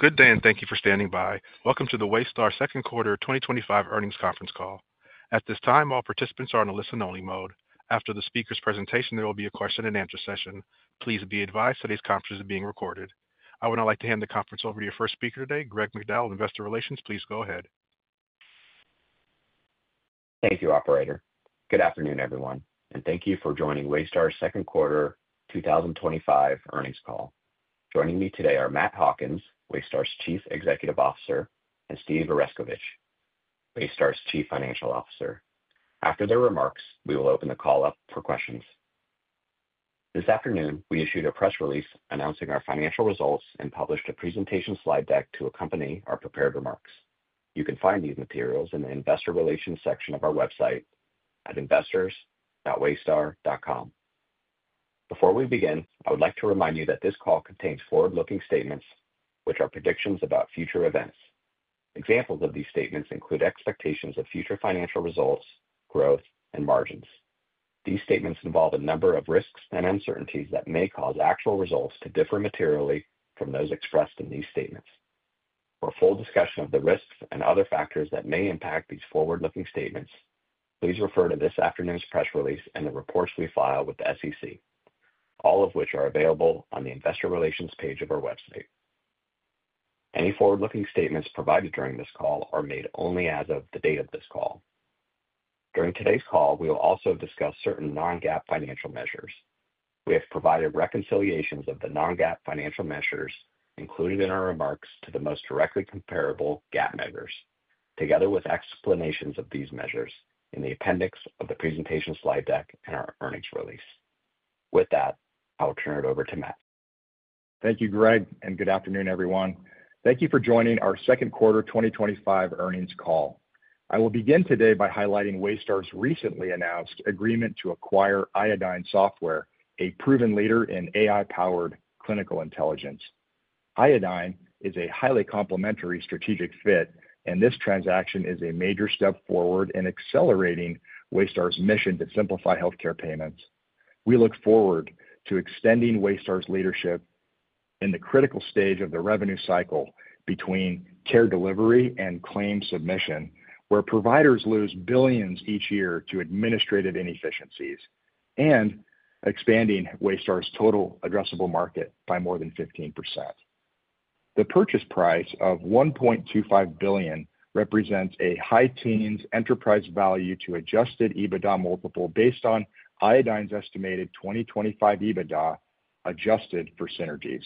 Good day and thank you for standing by. Welcome to the Waystar Second Quarter 2025 Earnings Conference Call. At this time, all participants are in a listen only mode. After the speaker's presentation, there will be a question and answer session. Please be advised today's conference is being recorded. I would now like to hand the conference over to your first speaker today, Greg McDowell of Investor Relations. Please go ahead. Thank you, operator. Good afternoon, everyone, and thank you for joining Waystar second quarter 2025 earnings call. Joining me today are Matt Hawkins, Waystar's Chief Executive Officer, and Steve Oreskovich, Waystar's Chief Financial Officer. After their remarks, we will open the call up for questions. This afternoon, we issued a press release announcing our financial results and published a presentation slide deck to accompany our prepared remarks. You can find these materials in the Investor Relations section of our website at investors.waystar.com. Before we begin, I would like to remind you that this call contains forward-looking statements, which are predictions about future events. Examples of these statements include expectations of future financial results, growth, and margins. These statements involve a number of risks and uncertainties that may cause actual results to differ materially from those expressed in these statements. For a full discussion of the risks and other factors that may impact these forward-looking statements, please refer to this afternoon's press release and the reports we file with the SEC, all of which are available on the Investor Relations page of our website. Any forward-looking statements provided during this call are made only as of the date of this call. During today's call, we will also discuss certain non-GAAP financial measures. We have provided reconciliations of the non-GAAP financial measures included in our remarks to the most directly comparable GAAP measures, together with explanations of these measures in the appendix of the presentation slide deck and our earnings release. With that, I will turn it over to Matt. Thank you, Greg, and good afternoon, everyone. Thank you for joining our second quarter 2025 earnings call. I will begin today by highlighting Waystar's recently announced agreement to acquire Iodine Software. A proven leader in AI-powered clinical intelligence, Iodine is a highly complementary strategic fit, and this transaction is a major step forward in accelerating Waystar's mission to simplify healthcare payments. We look forward to extending Waystar's leadership in the critical stage of the revenue cycle between care delivery and claim submission, where providers lose billions each year to administrative inefficiencies, and expanding Waystar's total addressable market by more than 15%. The purchase price of $1.25 billion represents a high teens enterprise value to adjusted EBITDA multiple based on Iodine's estimated 2025 EBITDA adjusted for synergies.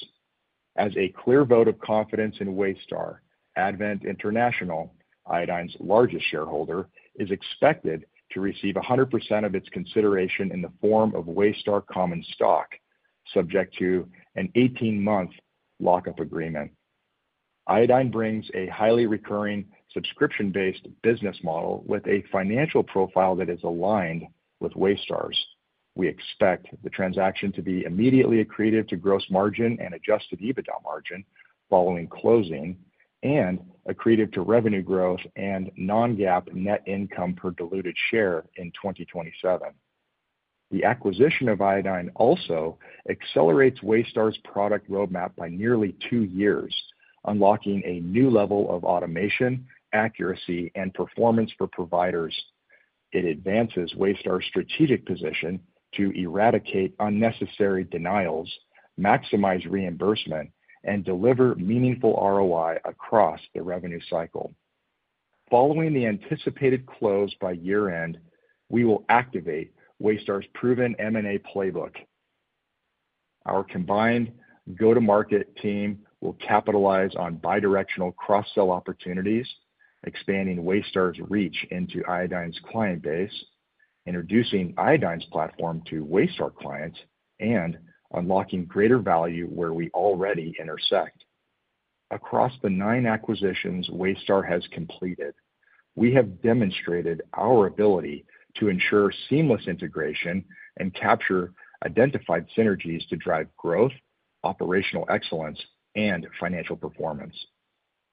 As a clear vote of confidence in Waystar, Advent International, Iodine's largest shareholder, is expected to receive 100% of its consideration in the form of Waystar common stock, subject to an 18-month lockup agreement. Iodine brings a highly recurring subscription-based business model with a financial profile that is aligned with Waystar's. We expect the transaction to be immediately accretive to gross margin and adjusted EBITDA margin following closing, and accretive to revenue growth and non-GAAP net income per diluted share in 2027. The acquisition of Iodine also accelerates Waystar's product roadmap by nearly two years, unlocking a new level of automation, accuracy, and performance for providers. It advances Waystar's strategic position to eradicate unnecessary denials, maximize reimbursement, and deliver meaningful ROI across the revenue cycle. Following the anticipated close by year end, we will activate Waystar's proven MA playbook. Our combined go-to-market team will capitalize on bidirectional cross-sell opportunities, expanding Waystar's reach into Iodine's client base, introducing Iodine's platform to Waystar clients, and unlocking greater value where we already intersect. Across the nine acquisitions Waystar has completed, we have demonstrated our ability to ensure seamless integration and capture identified synergies to drive growth, operational excellence, and financial performance.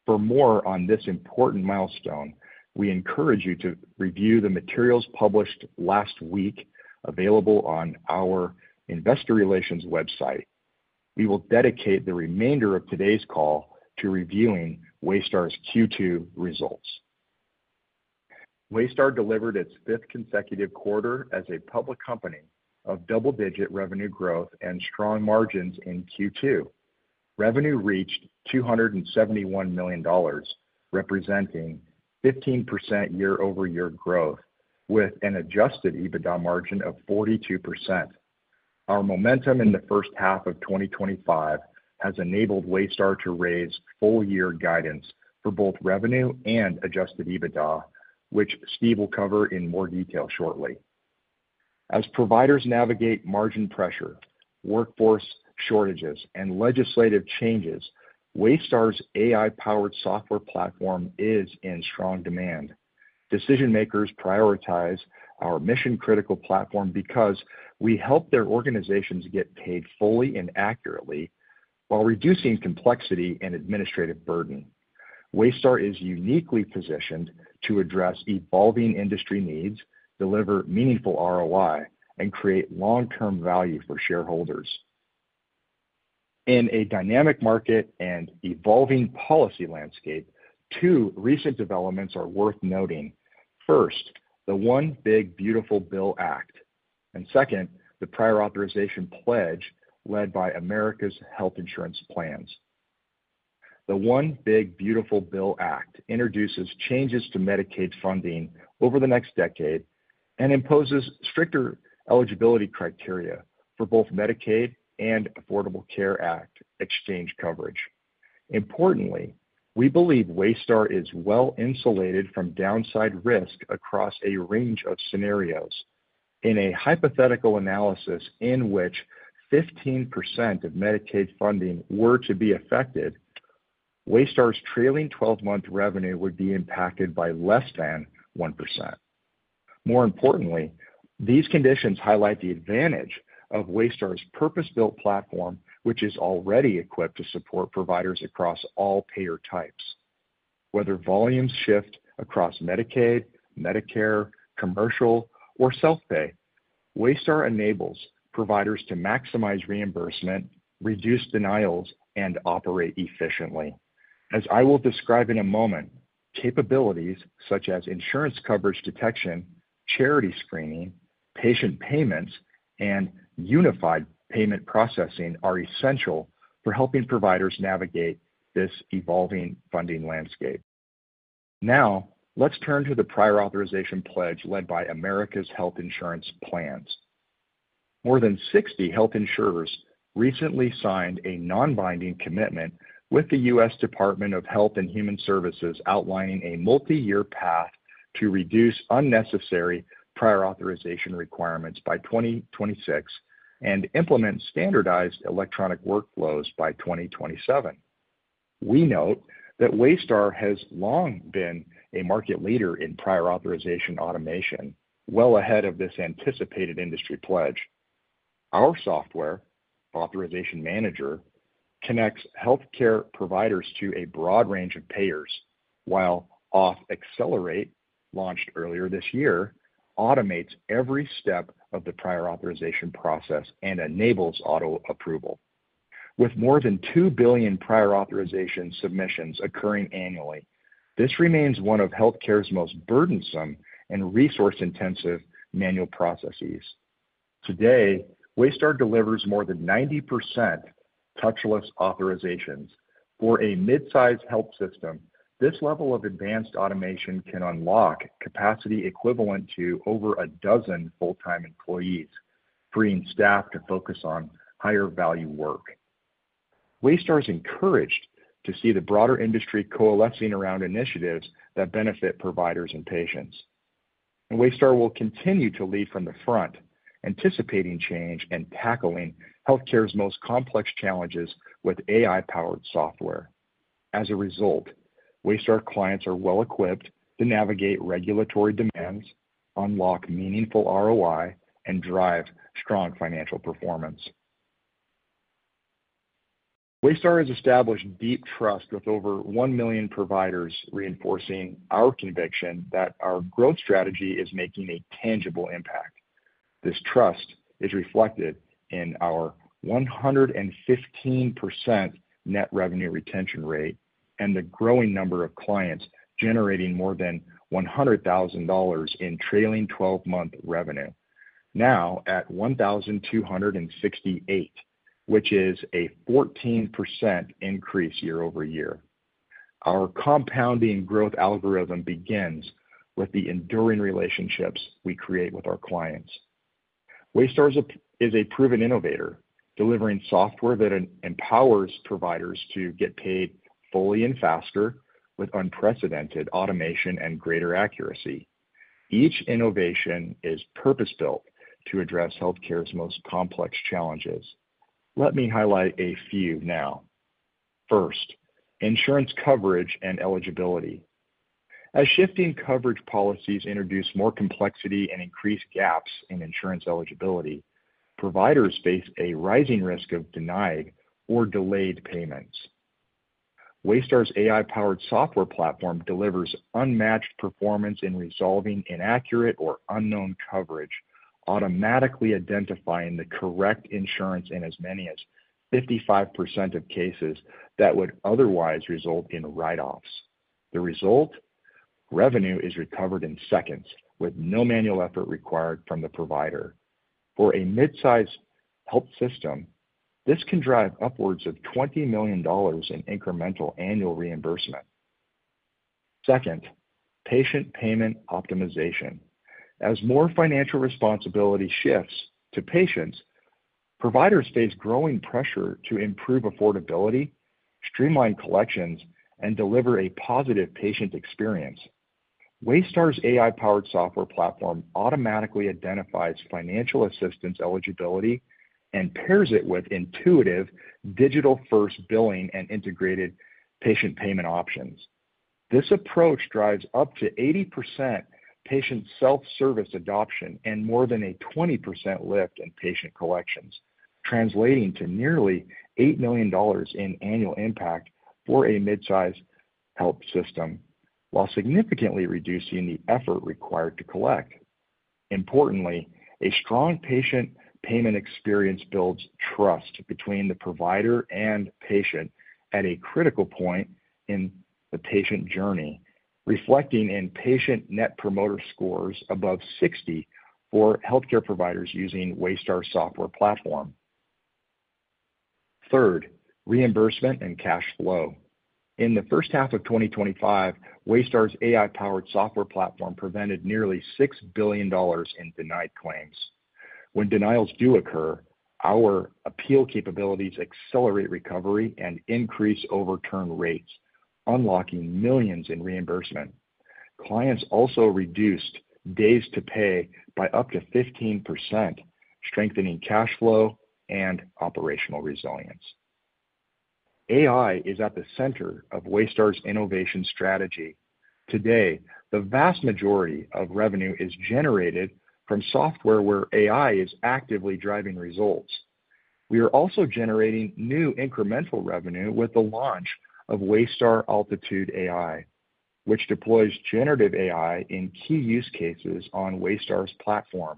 For more on this important milestone, we encourage you to review the materials published last week available on our Investor Relations website. We will dedicate the remainder of today's call to reviewing Waystar's Q2 results. Waystar delivered its fifth consecutive quarter as a public company of double-digit revenue growth and strong margins in Q2. Revenue reached $271 million, representing 15% year-over-year growth with an adjusted EBITDA margin of 42%. Our momentum in the first half of 2025 has enabled Waystar to raise full-year guidance for both revenue and adjusted EBITDA, which Steve will cover in more detail shortly. As providers navigate margin pressure, workforce shortages, and legislative changes, Waystar's AI-powered software platform is in strong demand. Decision makers prioritize our mission-critical platform because we help their organizations get paid fully and accurately while reducing complexity and administrative burden. Waystar is uniquely positioned to address evolving industry needs, deliver meaningful ROI, and create long-term value for shareholders in a dynamic market and evolving policy landscape. Two recent developments are worth noting. First, the One Big Beautiful Bill Act, and second, the Prior Authorization Pledge led by America's Health Insurance Plans. The One Big Beautiful Bill Act introduces changes to Medicaid funding over the next decade and imposes stricter eligibility criteria for both Medicaid and Affordable Care Act exchange coverage. Importantly, we believe Waystar is well insulated from downside risk across a range of scenarios. In a hypothetical analysis in which 15% of Medicaid funding were to be affected, Waystar's trailing twelve-month revenue would be impacted by less than 1%. More importantly, these conditions highlight the advantage of Waystar's purpose-built platform, which is already equipped to support providers across all payer types. Whether volumes shift across Medicaid, Medicare, commercial, or self-pay, Waystar enables providers to maximize reimbursement, reduce denials, and operate efficiently. As I will describe in a moment, capabilities such as insurance coverage detection, charity screening, patient payments, and unified payment processing are essential for helping providers navigate this evolving funding landscape. Now let's turn to the Prior Authorization Pledge led by America's Health Insurance Plans. More than 60 health insurers recently signed a non-binding commitment with the U.S. Department of Health and Human Services outlining a multi-year path to reduce unnecessary prior authorization requirements by 2026 and implement standardized electronic workflows by 2027. We note that Waystar has long been a market leader in prior authorization automation, well ahead of this anticipated industry pledge. Our software Authorization Manager connects healthcare providers to a broad range of payers, while Auth Accelerate, launched earlier this year, automates every step of the prior authorization process and enables auto approval. With more than 2 billion prior authorization submissions occurring annually, this remains one of healthcare's most burdensome and resource-intensive manual processes. Today, Waystar delivers more than 90% touchless authorizations for a mid-sized health system. This level of advanced automation can unlock capacity equivalent to over a dozen full-time employees, freeing staff to focus on higher-value work. Waystar is encouraged to see the broader industry coalescing around initiatives that benefit providers and patients. Waystar will continue to lead from the front, anticipating change and tackling healthcare's most complex challenges with AI-powered software. As a result, Waystar clients are well equipped to navigate regulatory demands, unlock meaningful ROI, and drive strong financial performance. Waystar has established deep trust with over 1 million providers, reinforcing our conviction that our growth strategy is making a tangible impact. This trust is reflected in our 115% net revenue retention rate and the growing number of clients generating more than $100,000 in trailing twelve-month revenue, now at 1,268, which is a 14% increase year-over-year. Our compounding growth algorithm begins with the enduring relationships we create with our clients. Waystar is a proven innovator, delivering software that empowers providers to get paid fully and faster with unprecedented automation and greater accuracy. Each innovation is purpose-built to address healthcare's most complex challenges. Let me highlight a few now. First, insurance coverage and eligibility. As shifting coverage policies introduce more complexity and increase gaps in insurance eligibility, providers face a rising risk of denied or delayed payments. Waystar's AI-powered software platform delivers unmatched performance in resolving inaccurate or unknown coverage, automatically identifying the correct insurance in as many as 55% of cases that would otherwise result in write-offs. The result? Revenue is recovered in seconds with no manual effort required from the provider. For a mid-sized health system, this can drive upwards of $20 million in incremental annual reimbursement. Second, patient payment optimization. As more financial responsibility shifts to patients, providers face growing pressure to improve affordability, streamline collections, and deliver a positive patient experience. Waystar's AI-powered software platform automatically identifies financial assistance eligibility and pairs it with intuitive digital-first billing and integrated patient payment options. This approach drives up to 80% patient self-service adoption and more than a 20% lift in patient collections, translating to nearly $8 million in annual impact for a mid-sized health system while significantly reducing the effort required to collect. Importantly, a strong patient payment experience builds trust between the provider and patient at a critical point in the patient journey, reflecting in patient net promoter scores above 60 for healthcare providers using Waystar’s software platform. Third, reimbursement and cash flow. In the first half of 2025, Waystar's AI-powered software platform prevented nearly $6 billion in denied claims. When denials do occur, our appeal capabilities accelerate recovery and increase overturn rates, unlocking millions in reimbursement. Clients also reduced days to pay by up to 15%, strengthening cash flow and operational resilience. AI is at the center of Waystar's innovation strategy. Today, the vast majority of revenue is generated from software where AI is actively driving results. We are also generating new incremental revenue with the launch of Waystar AltitudeAI, which deploys generative AI in key use cases. On Waystar's platform,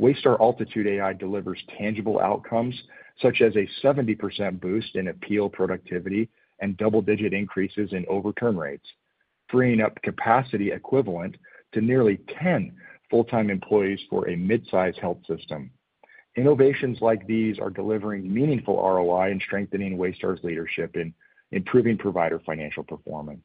Waystar AltitudeAI delivers tangible outcomes such as a 70% boost in appeal productivity and double-digit increases in overturn rates, freeing up capacity equivalent to nearly 10 full-time employees for a mid-sized health system. Innovations like these are delivering meaningful ROI and strengthening Waystar's leadership in improving provider financial performance.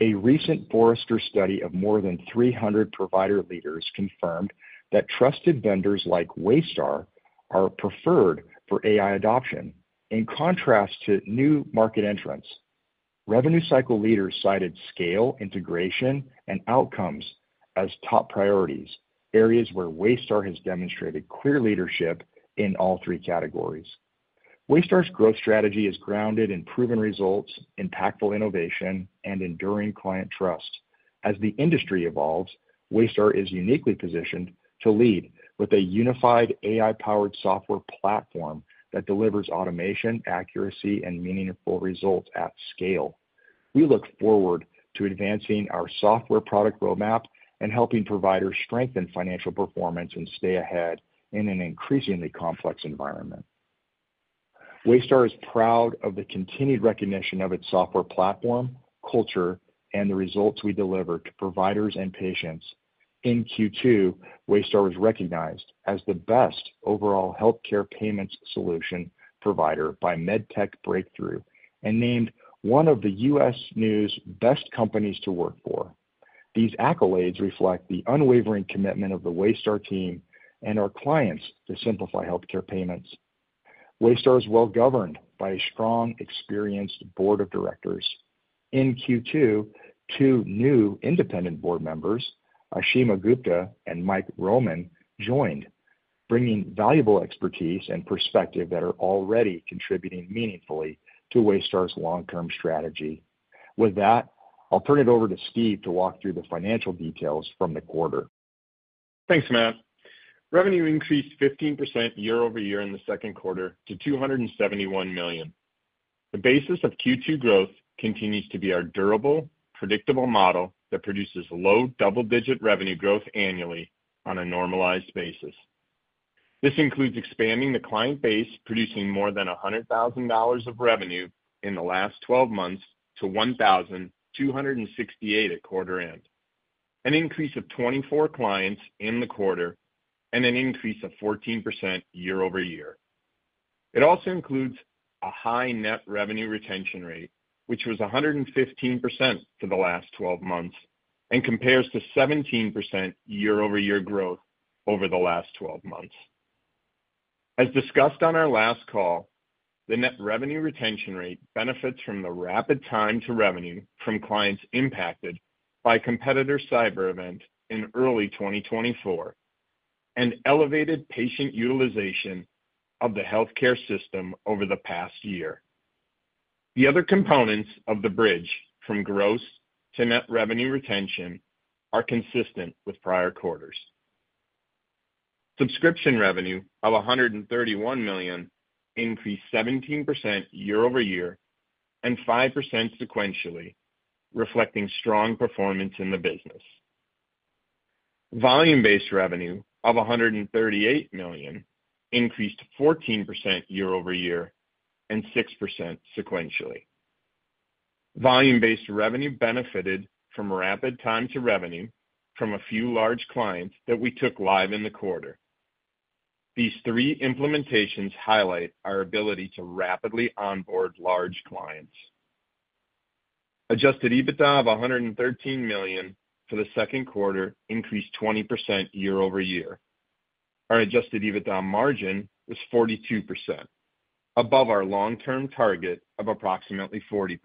A recent Forrester study of more than 300 provider leaders confirmed that trusted vendors like Waystar are preferred for AI adoption. In contrast to new market entrants, revenue cycle leaders cited scale, integration, and outcomes as top priorities, areas where Waystar has demonstrated clear leadership in all three categories. Waystar's growth strategy is grounded in proven results, impactful innovation, and enduring client trust. As the industry evolves, Waystar is uniquely positioned to lead with a unified AI-powered software platform that delivers automation, accuracy, and meaningful results at scale. We look forward to advancing our software product roadmap and helping providers strengthen financial performance and stay ahead in an increasingly complex environment. Waystar is proud of the continued recognition of its software platform, culture, and the results we deliver to providers and patients. In Q2, Waystar was recognized as the best overall healthcare payments solution provider by MedTech Breakthrough and named one of the U.S. News Best Companies to Work For. These accolades reflect the unwavering commitment of the Waystar team and our clients to simplify healthcare payments. Waystar is well governed by a strong, experienced Board of Directors. In Q2, two new independent board members, Aashima Gupta and Mike Roman, joined, bringing valuable expertise and perspective that are already contributing meaningfully to Waystar's long-term strategy. With that, I'll turn it over to Steve to walk through the financial details from the quarter. Thanks Matt. Revenue increased 15% year-over-year in the second quarter to $271 million. The basis of Q2 growth continues to be our durable, predictable model that produces low double-digit revenue growth annually on a normalized basis. This includes expanding the client base, producing more than $100,000 of revenue in the last 12 months to 1,268 at quarter end, an increase of 24 clients in the quarter and an increase of 14% year-over-year. It also includes a high net revenue retention rate, which was 115% for the last 12 months and compares to 17% year over year growth over the last 12 months. As discussed on our last call, the net revenue retention rate benefits from the rapid time to revenue from clients impacted by competitor cyber event in early 2024 and elevated patient utilization of the healthcare system over the past year. The other components of the bridge from gross to net revenue retention are consistent with prior quarters. Subscription revenue of $131 million increased 17% year-over-year and 5% sequentially, reflecting strong performance in the business. Volume-based revenue of $138 million increased 14% year-over-year and 6% sequentially. Volume-based revenue benefited from rapid time to revenue from a few large clients that we took live in the quarter. These three implementations highlight our ability to rapidly onboard large clients. Adjusted EBITDA of $113 million for the second quarter increased 20% year-over-year. Our adjusted EBITDA margin was 42%, above our long-term target of approximately 40%.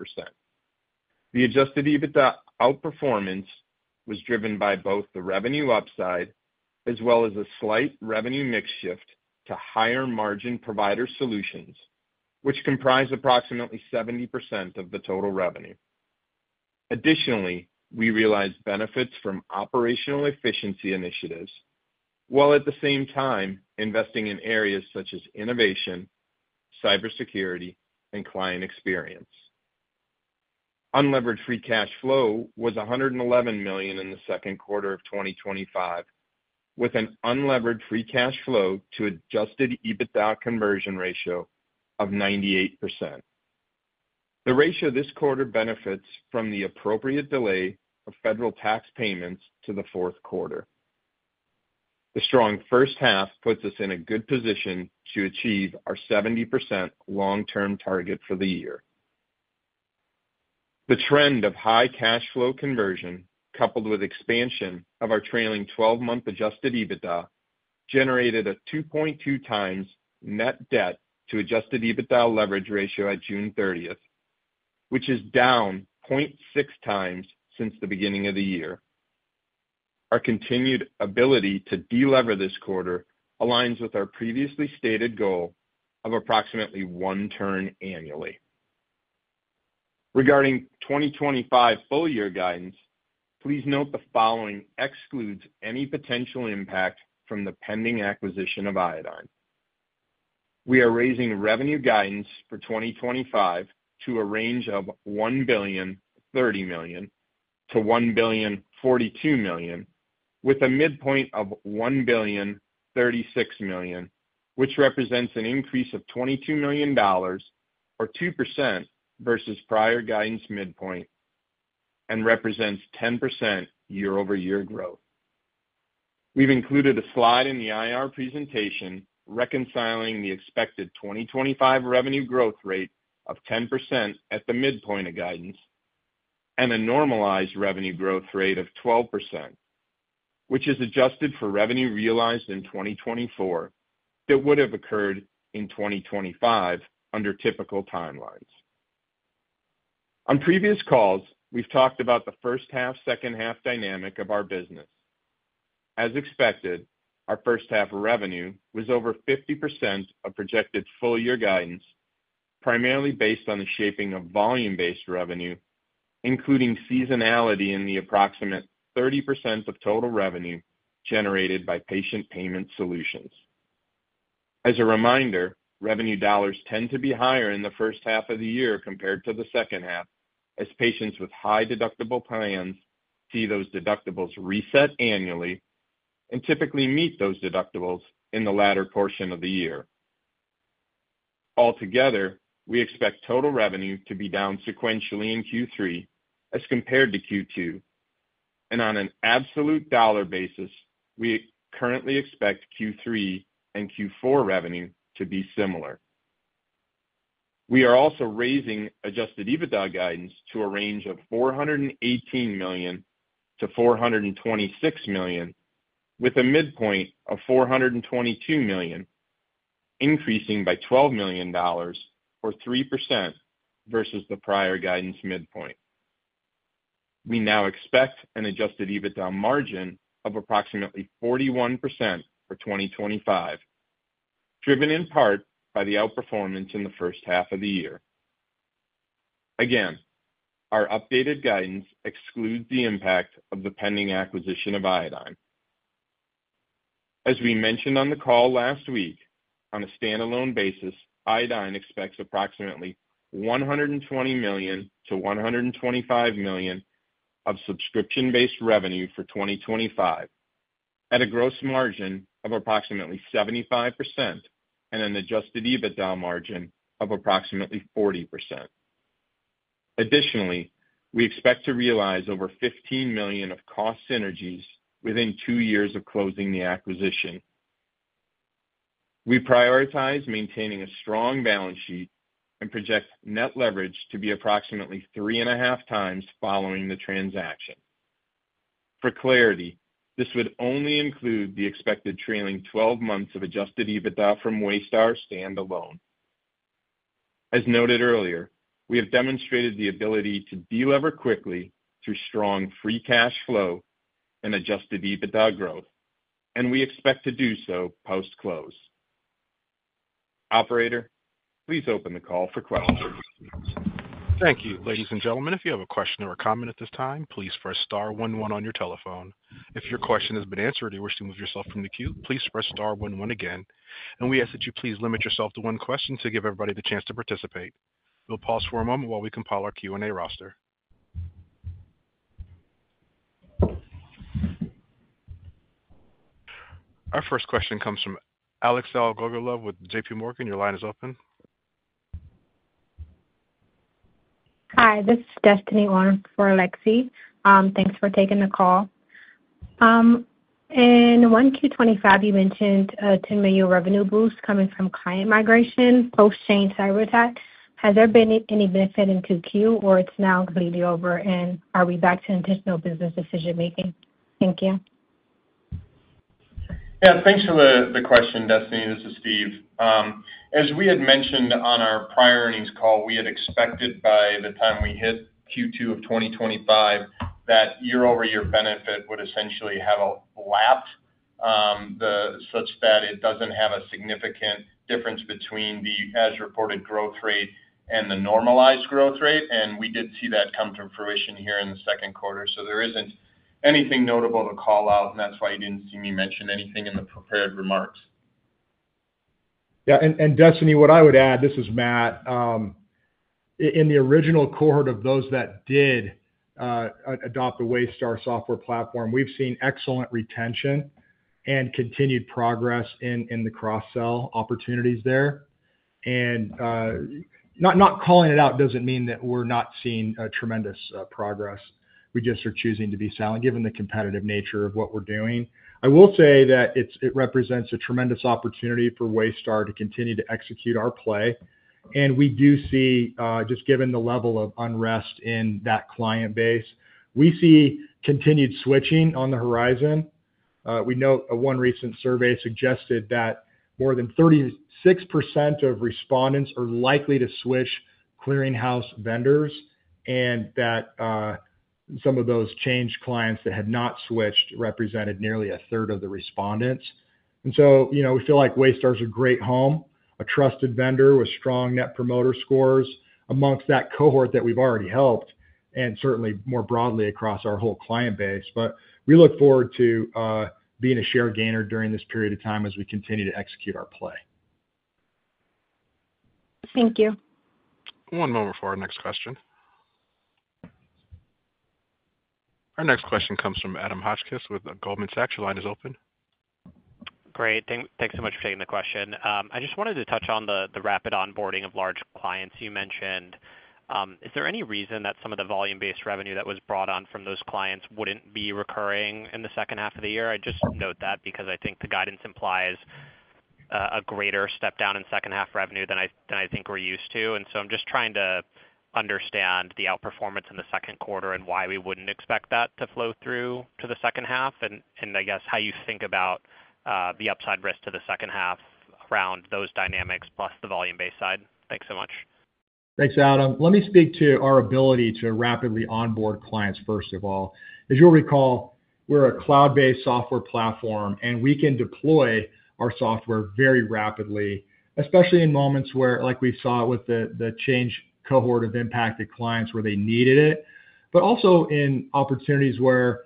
The adjusted EBITDA outperformance was driven by both the revenue upside as well as a slight revenue mix shift to higher margin provider solutions, which comprise approximately 70% of the total revenue. Additionally, we realized benefits from operational efficiency initiatives while at the same time investing in areas such as innovation, cybersecurity, and client experience. Unlevered free cash flow was $111 million in the second quarter of 2025 with an unlevered free cash flow to adjusted EBITDA conversion ratio of 98%. The ratio this quarter benefits from the appropriate delay of federal tax payments to the fourth quarter. The strong first half puts us in a good position to achieve our 70% long-term target for the year. The trend of high cash flow conversion coupled with expansion of our trailing twelve month adjusted EBITDA generated a 2.2 times net debt to adjusted EBITDA leverage ratio at June 30, which is down 0.6 times since the beginning of the year. Our continued ability to delever this quarter aligns with our previously stated goal of approximately one turn annually. Regarding 2025 full year guidance, please note the following excludes any potential impact from the pending acquisition of Iodine Software. We are raising revenue guidance for 2025 to a range of $1,030,000,000 to $1,042,000,000 with a midpoint of $1,036,000,000, which represents an increase of $22 million or 2% versus prior guidance midpoint and represents 10% year-over-year growth. We've included a slide in the IR presentation reconciling the expected 2025 revenue growth rate of 10% at the midpoint of guidance and a normalized revenue growth rate of 12%, which is adjusted for revenue realized in 2024 that would have occurred in 2025 under typical timelines. On previous calls, we've talked about the first half second half dynamic of our business. As expected, our first half revenue was over 50% of projected full year guidance, primarily based on the shaping of volume-based revenue, including seasonality in the approximate 30% of total revenue generated by patient payment solutions. As a reminder, revenue dollars tend to be higher in the first half of the year compared to the second half as patients with high deductible plans see those deductibles reset annually and typically meet those deductibles in the latter portion of the year. Altogether, we expect total revenue to be down sequentially in Q3 as compared to Q2 and on an absolute dollar basis. We currently expect Q3 and Q4 revenue to be similar. We are also raising adjusted EBITDA guidance to a range of $418 million to $426 million, with a midpoint of $422 million, increasing by $12 million or 3% versus the prior guidance midpoint. We now expect an adjusted EBITDA margin of approximately 41% for 2025, driven in part by the outperformance in the first half of the year. Again, our updated guidance excludes the impact of the pending acquisition of Iodine Software. As we mentioned on the call last week, on a standalone basis, Iodine Software expects approximately $120 million to $125 million of subscription-based revenue for 2025 at a gross margin of approximately 75% and an adjusted EBITDA margin of approximately 40%. Additionally, we expect to realize over $15 million of cost synergies within two years of closing the acquisition. We prioritize maintaining a strong balance sheet and project net leverage to be approximately 3.5 times following the transaction. For clarity, this would only include the expected trailing twelve months of adjusted EBITDA from Waystar stand alone. As noted earlier, we have demonstrated the ability to delever quickly through strong free cash flow and adjusted EBITDA growth, and we expect to do so post close. Operator, please open. The call for questions. Thank you, ladies and gentlemen. If you have a question or a comment at this time, please press star one one on your telephone. If your question has been answered or you wish to remove yourself from the queue, please press star one one again. We ask that you please limit yourself to one question to give everybody the chance to participate. We'll pause for a moment while we compile our Q&A roster. Our first question comes from Alexei Gogolov with J.P. Morgan. Your line is open. Hi, this is Destiny Oren for Alexei. Thanks for taking the call. In Q1 2025, you mentioned a $10 million revenue boost coming from client migration post Change Healthcare cyber attack. Has there been any benefit in Q2, or is it now completely over and are we back to intentional business decision making? Thank you. Yeah, thanks for the question, Destiny. This is Steve. As we had mentioned on our prior earnings call, we had expected by the time we hit Q2 of 2025 that year-over-year benefit would essentially have lapped such that it doesn't have a significant difference between the as-reported growth rate and the normalized growth rate. We did see that come to fruition here in the second quarter. There isn't anything notable to call out, and that's why you didn't see me mention anything in the prepared remarks. Yeah. Destiny, what I would add, this is Matt, in the original cohort of those that did adopt the Waystar software platform, we've seen excellent retention and continued progress in the cross-sell opportunities there. Not calling it out doesn't mean that we're not seeing tremendous progress. We just are choosing to be silent, given the competitive nature of what we're doing. I will say that it represents a tremendous opportunity for Waystar to continue to execute our play. We do see, just given the level of unrest in that client base, continued switching on the horizon. We know one recent survey suggested that more than 36% of respondents are likely to switch clearinghouse vendors and that some of those change clients that had not switched represented nearly a third of the respondents. We feel like Waystar is a great home, a trusted vendor with strong net promoter scores amongst that cohort that we've already helped and certainly more broadly across our whole client base. We look forward to being a share gainer during this period of time. As we continue to execute our play. Thank you. One moment for our next question. Our next question comes from Adam Hotchkiss with Goldman Sachs. Your line is open. Great. Thanks so much for taking the question. I just wanted to touch on the rapid onboarding of large clients you mentioned. Is there any reason that some of the volume-based revenue that was brought on from those clients wouldn't be recurring in the second half of the year? I just note that because I think the guidance implies a greater step down in second half revenue than I think we're used to. I'm just trying to understand the outperformance in the second quarter and why we wouldn't expect that to flow through to the second half. I guess how you think about the upside risk to the second half around those dynamics plus the volume-based side. Thanks so much. Thanks, Adam. Let me speak to our ability to rapidly onboard clients. First of all, as you'll recall, we're a cloud-based software platform, and we can deploy our software very rapidly, especially in moments where, like we saw with the change cohort of impacted clients, where they needed it, but also in opportunities where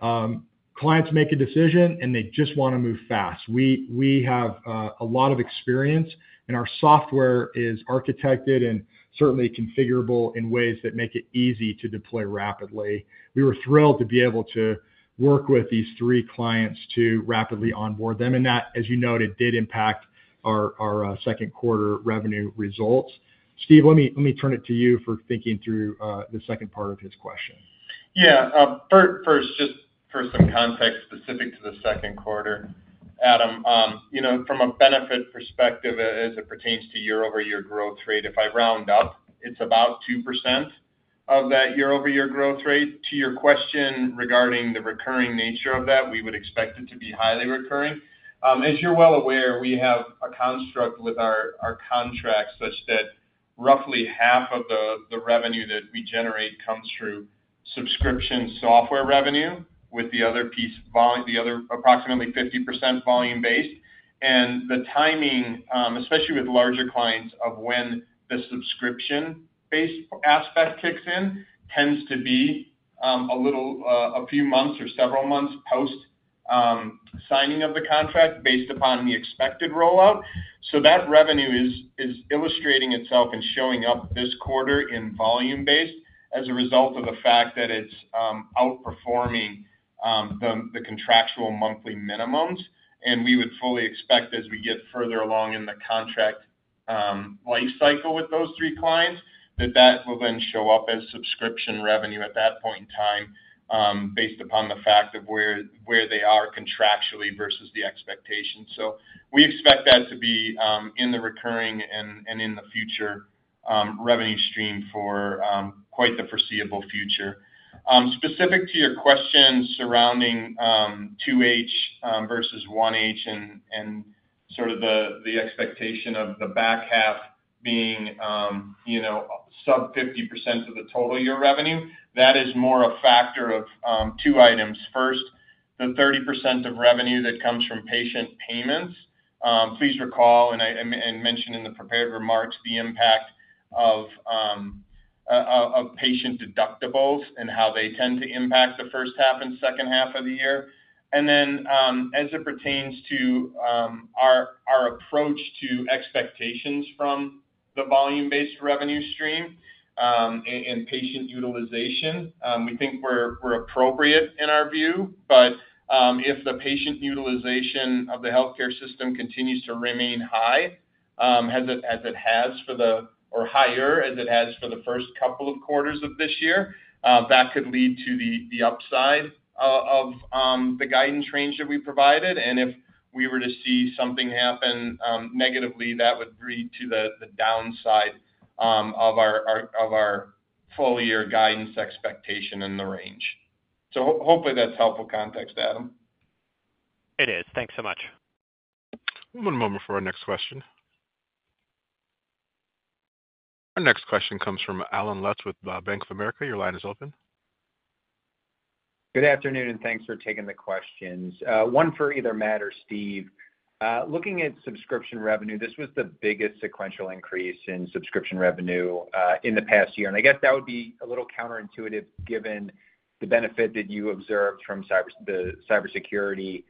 clients make a decision and they just want to move fast. We have a lot of experience, and our software is architected and certainly configurable in ways that make it easy to deploy rapidly. We were thrilled to be able to work with these three clients to rapidly onboard them, and that, as you noted, did impact our second quarter revenue results. Steve, let me turn it to you for thinking through the second part of his question. Yeah. First, just for some context specific to the second quarter, Adam, from a benefit perspective as it pertains to year-over-year growth rate, if I round up it's about 2% of that year-over-year growth rate. To your question regarding the recurring nature of that, we would expect it to be highly recurring. As you're well aware, we have a construct with our contract such that roughly half of the revenue that we generate comes through subscription software revenue with the other piece volume, the other approximately 50% volume based. The timing, especially with larger clients of when the subscription based aspect kicks in, tends to be a little a few months or several months post signing of the contract based upon the expected rollout. That revenue is illustrating itself and showing up this quarter in volume based as a result of the fact that it's outperforming the contractual monthly minimums. We would fully expect as we get further along in the contract life cycle with those three clients that that will then show up as subscription revenue at that point in time based upon the fact of where they are contractually versus the expectations. We expect that to be in the recurring and in the future revenue stream for quite the foreseeable future. Specific to your question surrounding 2H versus 1H and sort of the expectation of the back half being sub 50% of the total year revenue, that is more a factor of two items. First, the 30% of revenue that comes from patient payments. Please recall and mentioned in the prepared remarks the impact of patient deductibles and how they tend to impact the first half and second half of the year. As it pertains to our approach to expectations from the volume based revenue stream and patient utilization, we think we're appropriate in our view. If the patient utilization of the healthcare system continues to remain high as it has, or higher as it has for the first couple of quarters of this year, that could lead to the upside of the guidance range that we provided. If we were to see something happen negatively, that would read to the downside of our full year guidance expectation in the range. Hopefully that's helpful context. Adam. It is. Thanks so much. One moment for our next question. Our next question comes from Allen Lutz with Bank of America Securities. Your line is open. Good afternoon and thanks for taking the questions. One for either Matt or Steve, looking at subscription revenue. This was the biggest sequential increase in subscription revenue in the past year. I guess that would be a little counterintuitive given the benefit that you observed from the cybersecurity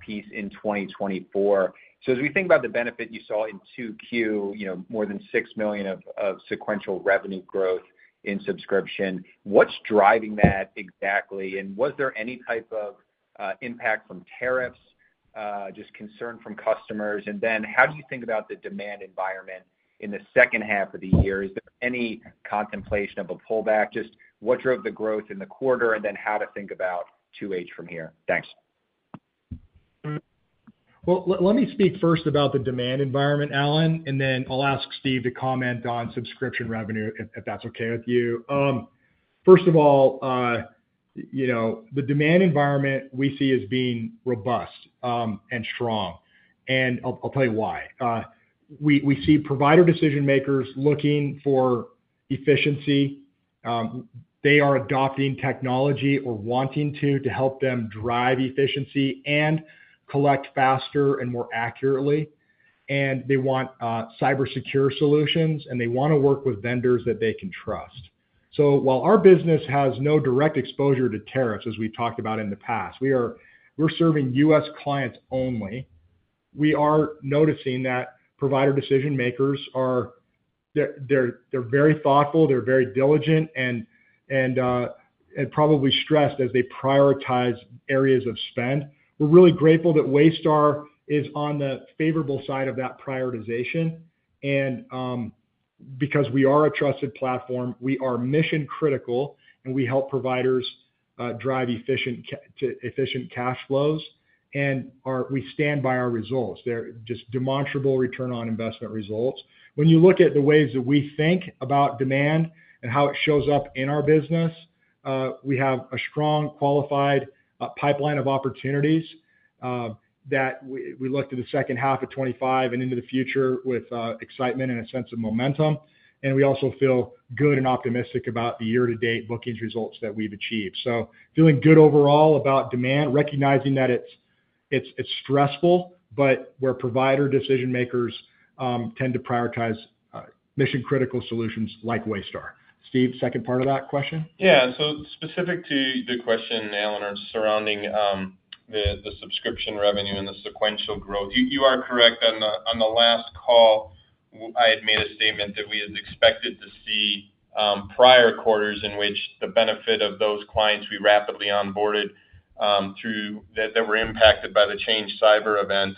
piece in 2024. As we think about the benefit you saw in 2Q, more than $6 million of sequential revenue growth in subscription, what's driving that? Exactly. Was there any type of impact from tariffs, just concern from customers? How do you think about the demand environment in the second half of the year? Is there any contemplation of a pullback, just what drove the growth in the quarter, and how to think about 2H from here? Thanks. Let me speak first about the demand environment, Allen, and then I'll ask Steve to comment on subscription revenue, if that's okay with you. First of all, the demand environment we see as being robust and strong and I'll tell you why. We see provider decision makers looking for efficiency. They are adopting technology or wanting to help them drive efficiency and collect faster and more accurately, and they want cyber secure solutions and they want to work with vendors that they can trust. While our business has no direct exposure to tariffs, as we talked about in the past, we're serving U.S. clients only. We are noticing that provider decision makers are very thoughtful, they're very diligent and probably stressed as they prioritize areas of spend. We're really grateful that Waystar is on the favorable side of that prioritization. Because we are a trusted platform, we are mission critical and we help providers drive efficient cash flows and we stand by our results. They're just demonstrable return on investment results. When you look at the ways that we think about demand and how it shows up in our business, we have a strong qualified pipeline of opportunities that we look to the second half of 2025 and into the future with excitement and a sense of momentum. We also feel good and optimistic about the year to date bookings results that we've achieved. Feeling good overall about demand, recognizing that it's stressful, but where provider decision makers tend to prioritize mission critical solutions like Waystar. Steve, second part of that question. Yeah, so specific to the question, Allen, surrounding the subscription revenue and the sequential growth. You are correct. On the last call I had made a statement that we had expected to see prior quarters in which the benefit of those clients we rapidly onboarded that were impacted by the Change cyber event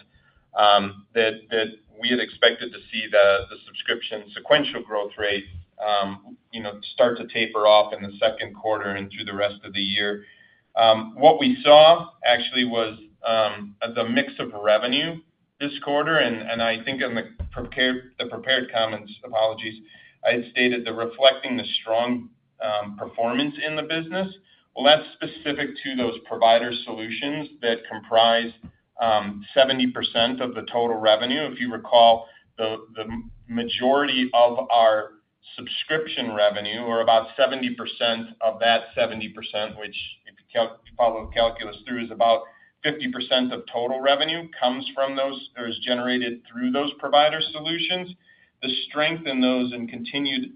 that we had expected to see the subscription sequential growth rate start to taper off in the second quarter and through the rest of the year. What we saw actually was the mix of revenue this quarter, and I think in the prepared comments, apologies, I stated the reflecting the strong performance in the business. That is specific to those provider solutions that comprise 70% of the total revenue. If you recall, the majority of our subscription revenue, or about 70% of that 70%, which if you follow calculus through is about 50% of total revenue, comes from those or is generated through those provider solutions. The strength in those and continued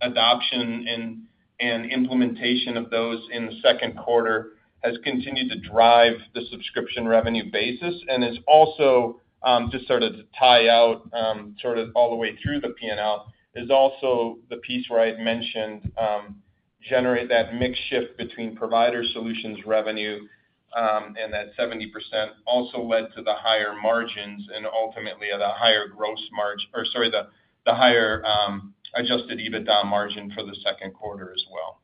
adoption and implementation of those in the second quarter has continued to drive the subscription revenue basis and is also just to tie out sort of all the way through the P&L, is also the piece where I mentioned generate that mix shift between provider solutions revenue and that 70% also led to the higher margins and ultimately the higher gross margin or sorry, the higher adjusted EBITDA margin for the second quarter as well.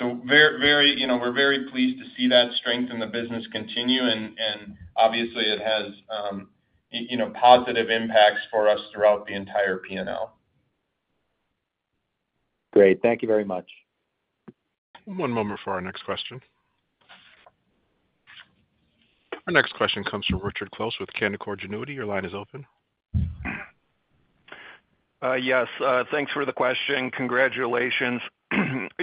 We are very pleased to see that strength in the business continue and obviously it has positive impacts for us throughout the entire P&L. Great. Thank you very much. One moment for our next question. Our next question comes from Richard Close with Canaccord Genuity. Your line is open. Yes, thanks for the question. Congratulations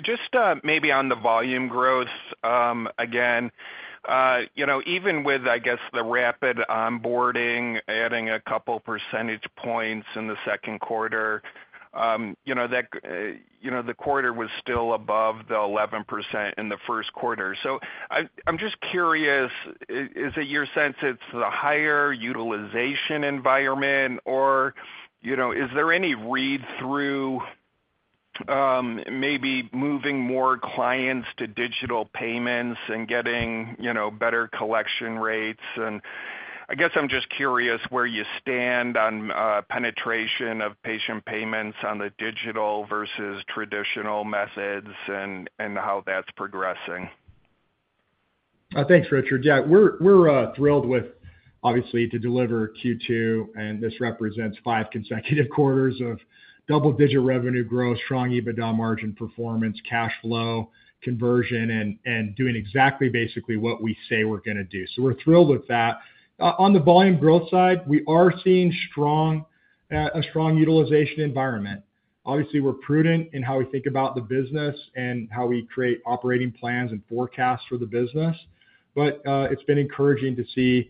just maybe on the volume growth again, even with, I guess, the rapid onboarding adding a couple % points in the second quarter. The quarter was still. Above the 11% in the first quarter. I'm just curious, is it your sense it's the higher utilization environment, or is there any read through maybe moving more clients to digital payments and getting better collection rates? I'm just curious where you stand on penetration of patient payments on the digital versus traditional methods and how that's progressing. Thanks, Richard. Yeah, we're thrilled obviously to deliver Q2, and this represents five consecutive quarters of double-digit revenue growth, strong EBITDA margin performance, cash flow conversion, and doing exactly basically what we say we're going to do. We're thrilled with that. On the volume growth side, we are seeing a strong utilization environment. Obviously, we're prudent in how we think about the business and how we create operating plans and forecasts for the business. It's been encouraging to see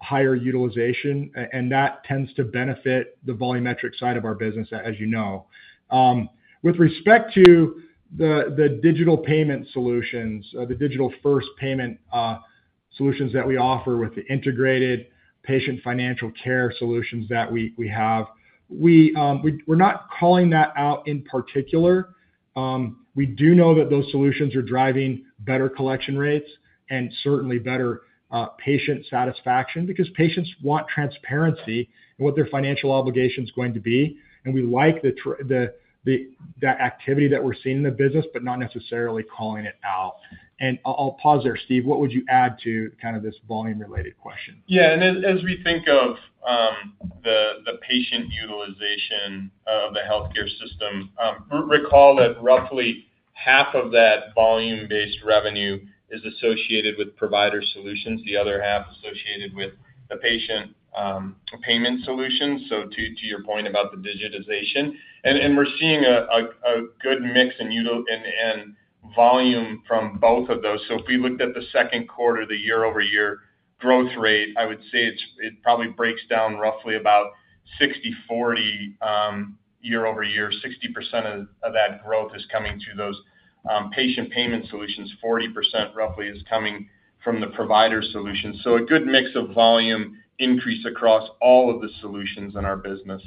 higher utilization, and that tends to benefit the volumetric side of our business. As you know, with respect to the digital payment solutions, the digital-first payment solutions that we offer with the integrated patient financial care solutions that we have, we're not calling that out in particular. We do know that those solutions are driving better collection rates and certainly better patient satisfaction because patients want transparency in what their financial obligation is going to be. We like that activity that we're seeing in the business, but not necessarily calling it out. I'll pause there. Steve, what would you add to kind of this volume-related question? Yeah, as we think of the patient utilization of the healthcare system, recall that roughly half of that volume-based revenue is associated with provider solutions, the other half associated with the patient payment solutions. To your point about the digitization, we're seeing a good mix and volume from both of those. If we looked at the second quarter, the year-over-year growth rate, I would say it probably breaks down roughly about 60/40 year-over-year. 60% of that growth is coming through those patient payment solutions, 40% roughly is coming from the provider solutions. A good mix of volume increase across all of the solutions in our business.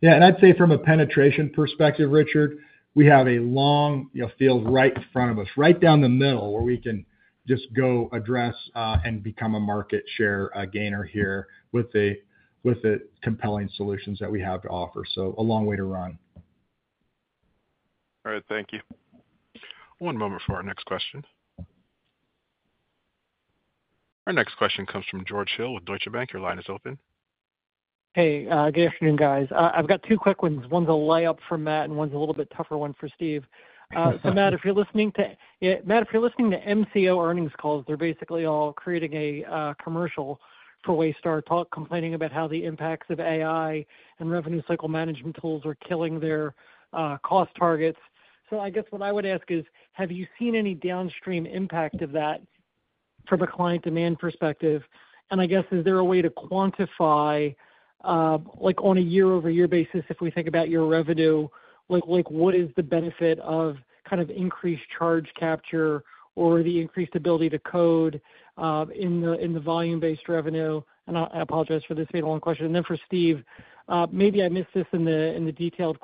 Yeah, I'd say from a penetration perspective, Richard, we have a long field right in front of us, right down the middle where we can just go address and become a market share gainer here with the compelling solutions that we have to offer. A long way to run. All right, thank you. One moment for our next question. Our next question comes from George Hill with Deutsche Bank. Your line is open. Hey, good afternoon guys. I've got two quick ones. One's a layup for Matt and one's a little bit tougher one for Steve. Matt, if you're listening to MCO earnings calls, they're basically all creating a commercial for Waystar complaining about how the impacts of AI and revenue cycle management tools are killing their cost targets. I guess what I would ask is have you seen any downstream impact of that from a client demand perspective? Is there a way to quantify, like on a year over year basis, if we think about your revenue, what is the benefit of kind of increased charge capture or the increased ability to code in the volume based revenue? I apologize for this question. For Steve, maybe I missed this in the detailed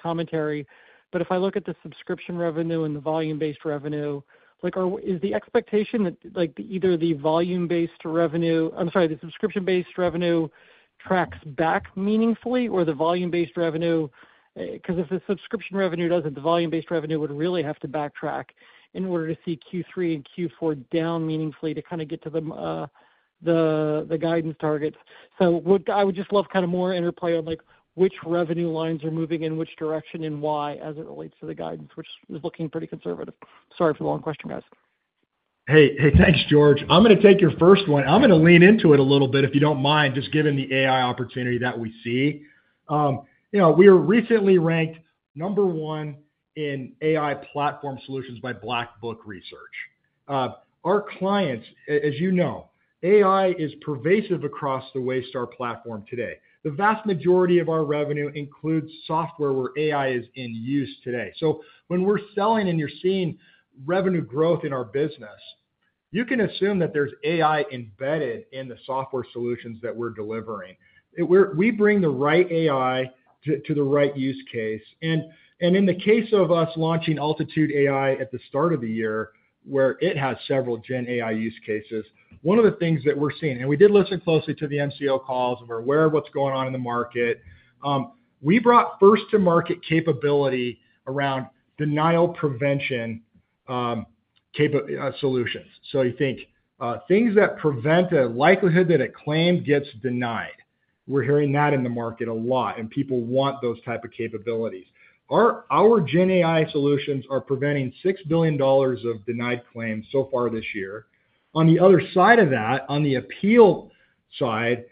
commentary, but if I look at the subscription revenue and the volume based revenue, is the expectation that either the volume based revenue, I'm sorry, the subscription based revenue tracks back meaningfully, or the volume based revenue, because if the subscription revenue doesn't, the volume based revenue would really have to backtrack in order to see Q3 and Q4 down meaningfully to kind of get to the guidance targets. I would just love kind of more interplay on which revenue lines are moving in which direction and why. As it relates to the guidance, which. Is looking pretty conservative. Sorry for the long question, guys. Hey, hey, thanks George. I'm going to take your first one. I'm going to lean into it a little bit, if you don't mind. Just given the AI opportunity that we see. You know, we were recently ranked number one in AI platform solutions by Black Book Research. Our clients, as you know, AI is pervasive across the Waystar platform today. The vast majority of our revenue includes software where AI is in use today. When we're selling and you're seeing revenue growth in our business, you can assume that there's AI embedded in the software solutions that we're delivering. We bring the right AI to the right use case and in the case of us launching Waystar AltitudeAI at the start of the year where it has several Gen AI use cases, one of the things that we're seeing, and we did listen closely to the MCO calls and we're aware of what's going on in the market, we brought first to market capability around denial prevention solutions. You think things that prevent a likelihood that a claim gets denied. We're hearing that in the market a lot and people want those type of capabilities. Our Gen AI solutions are preventing $6 billion of denied claims so far this year. On the other side of that, on the appeal side,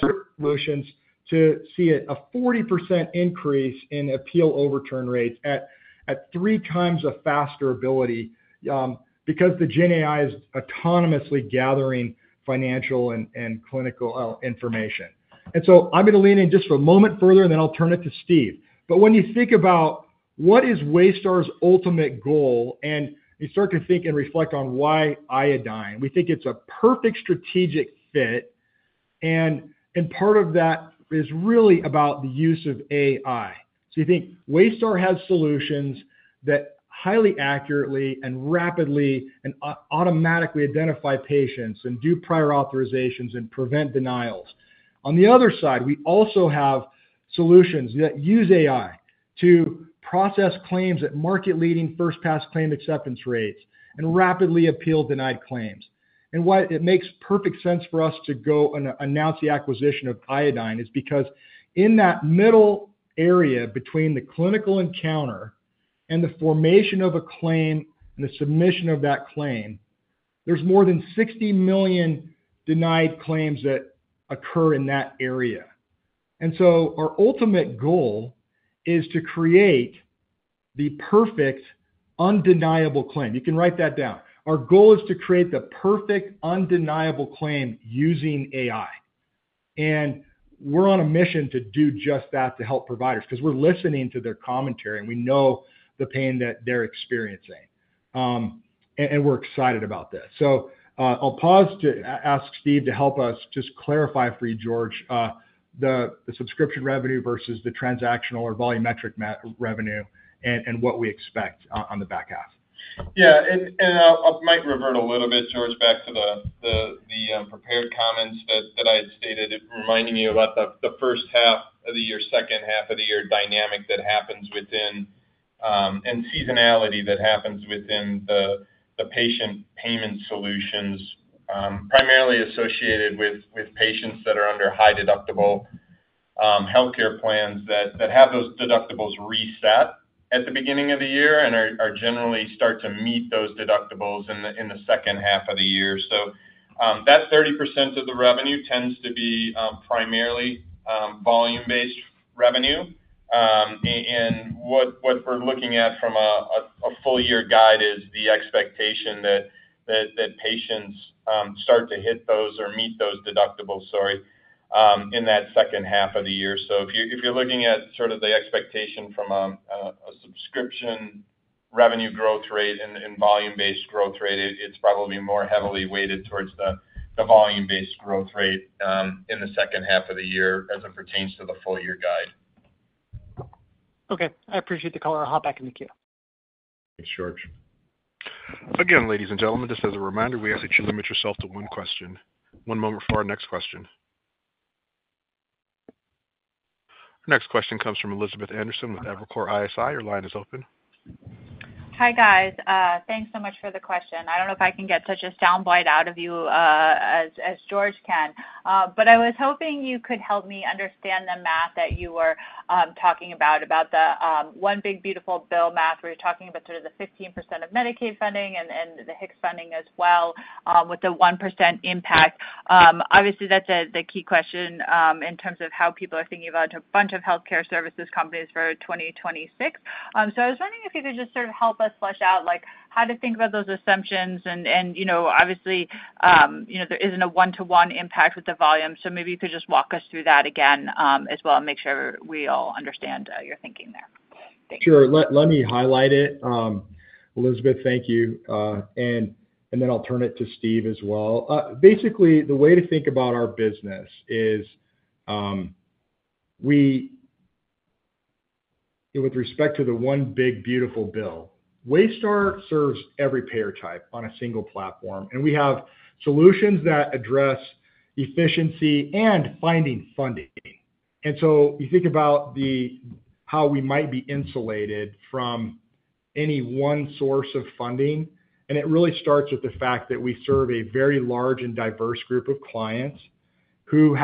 to see a 40% increase in appeal overturn rates at three times a faster ability because the Gen AI is autonomously gathering financial and clinical information. I'm going to lean in just a moment further and then I'll turn it to Steve. When you think about what is Waystar's ultimate goal and you start to think and reflect on why Iodine, we think it's a perfect strategic fit and part of that is really about the use of AI. You think Waystar has solutions that highly accurately and rapidly and automatically identify patients and do prior authorizations and prevent denials. On the other side, we also have solutions that use AI to process claims at market leading first pass claim acceptance rates and rapidly appeal denied claims. Why it makes perfect sense for us to go and announce the acquisition of Iodine is because in that middle area between the clinical encounter and the formation of a claim and the submission of that claim, there's more than 60 million denied claims that occur in that area. Our ultimate goal is to create the perfect undeniable claim. You can write that down. Our goal is to create the perfect undeniable claim using AI. We're on a mission to do just that, to help providers, because we're listening to their commentary and we know the pain that they're experiencing and we're excited about this. I'll pause to ask Steve to help us just clarify for you, George, the subscription revenue versus the transactional or volumetric revenue and what we expect on the back half. Yeah, I might revert a little bit, George, back to the prepared comments that I had stated, reminding you about the first half of the year, second half of the year dynamic that happens within and seasonality that happens within the patient payment solutions, primarily associated with patients that are under high deductible healthcare plans that have those deductibles reset at the beginning of the year and generally start to meet those deductibles in the second half of the year. That 30% of the revenue tends to be primarily volume-based revenue. What we're looking at from a full year guide is the expectation that patients start to hit those or meet those deductibles in that second half of the year. If you're looking at sort of the expectation from a subscription revenue growth rate and volume-based growth rate, it's probably more heavily weighted towards the volume-based growth rate in the second half of the year as it pertains. To the full year guide. Okay, I appreciate the caller. I'll hop back in the queue. Thanks George. Again, ladies and gentlemen, just as a reminder, we ask that you limit yourself to one question. One moment for our next question. Next question comes from Elizabeth Anderson with Evercore ISI. Your line is open. Hi guys. Thanks so much for the question. I don't know if I can get such a sound bite out of you as George can, but I was hoping you could help me understand the math that you were talking about. About the One Big Beautiful Bill Act math where you're talking about sort of the 15% of Medicaid funding and the HICCS funding as well with the 1% impact. Obviously that's the key question in terms of how people are thinking about a bunch of healthcare services companies for 2026. I was wondering if you could just sort of help us flesh out like how to think about those assumptions. Obviously there isn't a one to one impact with the volume. Maybe you could just walk us through that again as well and make sure we all understand your thinking there. Sure. Let me highlight it, Elizabeth. Thank you. I'll turn it to Steve as well. Basically, the way to think about our business is. We. With respect to the One Big Beautiful Bill Act, Waystar serves every. Payer type on a single platform. We have solutions that address efficiency and finding funding. You think about how we might be insulated from any one source of funding. It really starts with the fact that we serve a very large and diverse group of clients who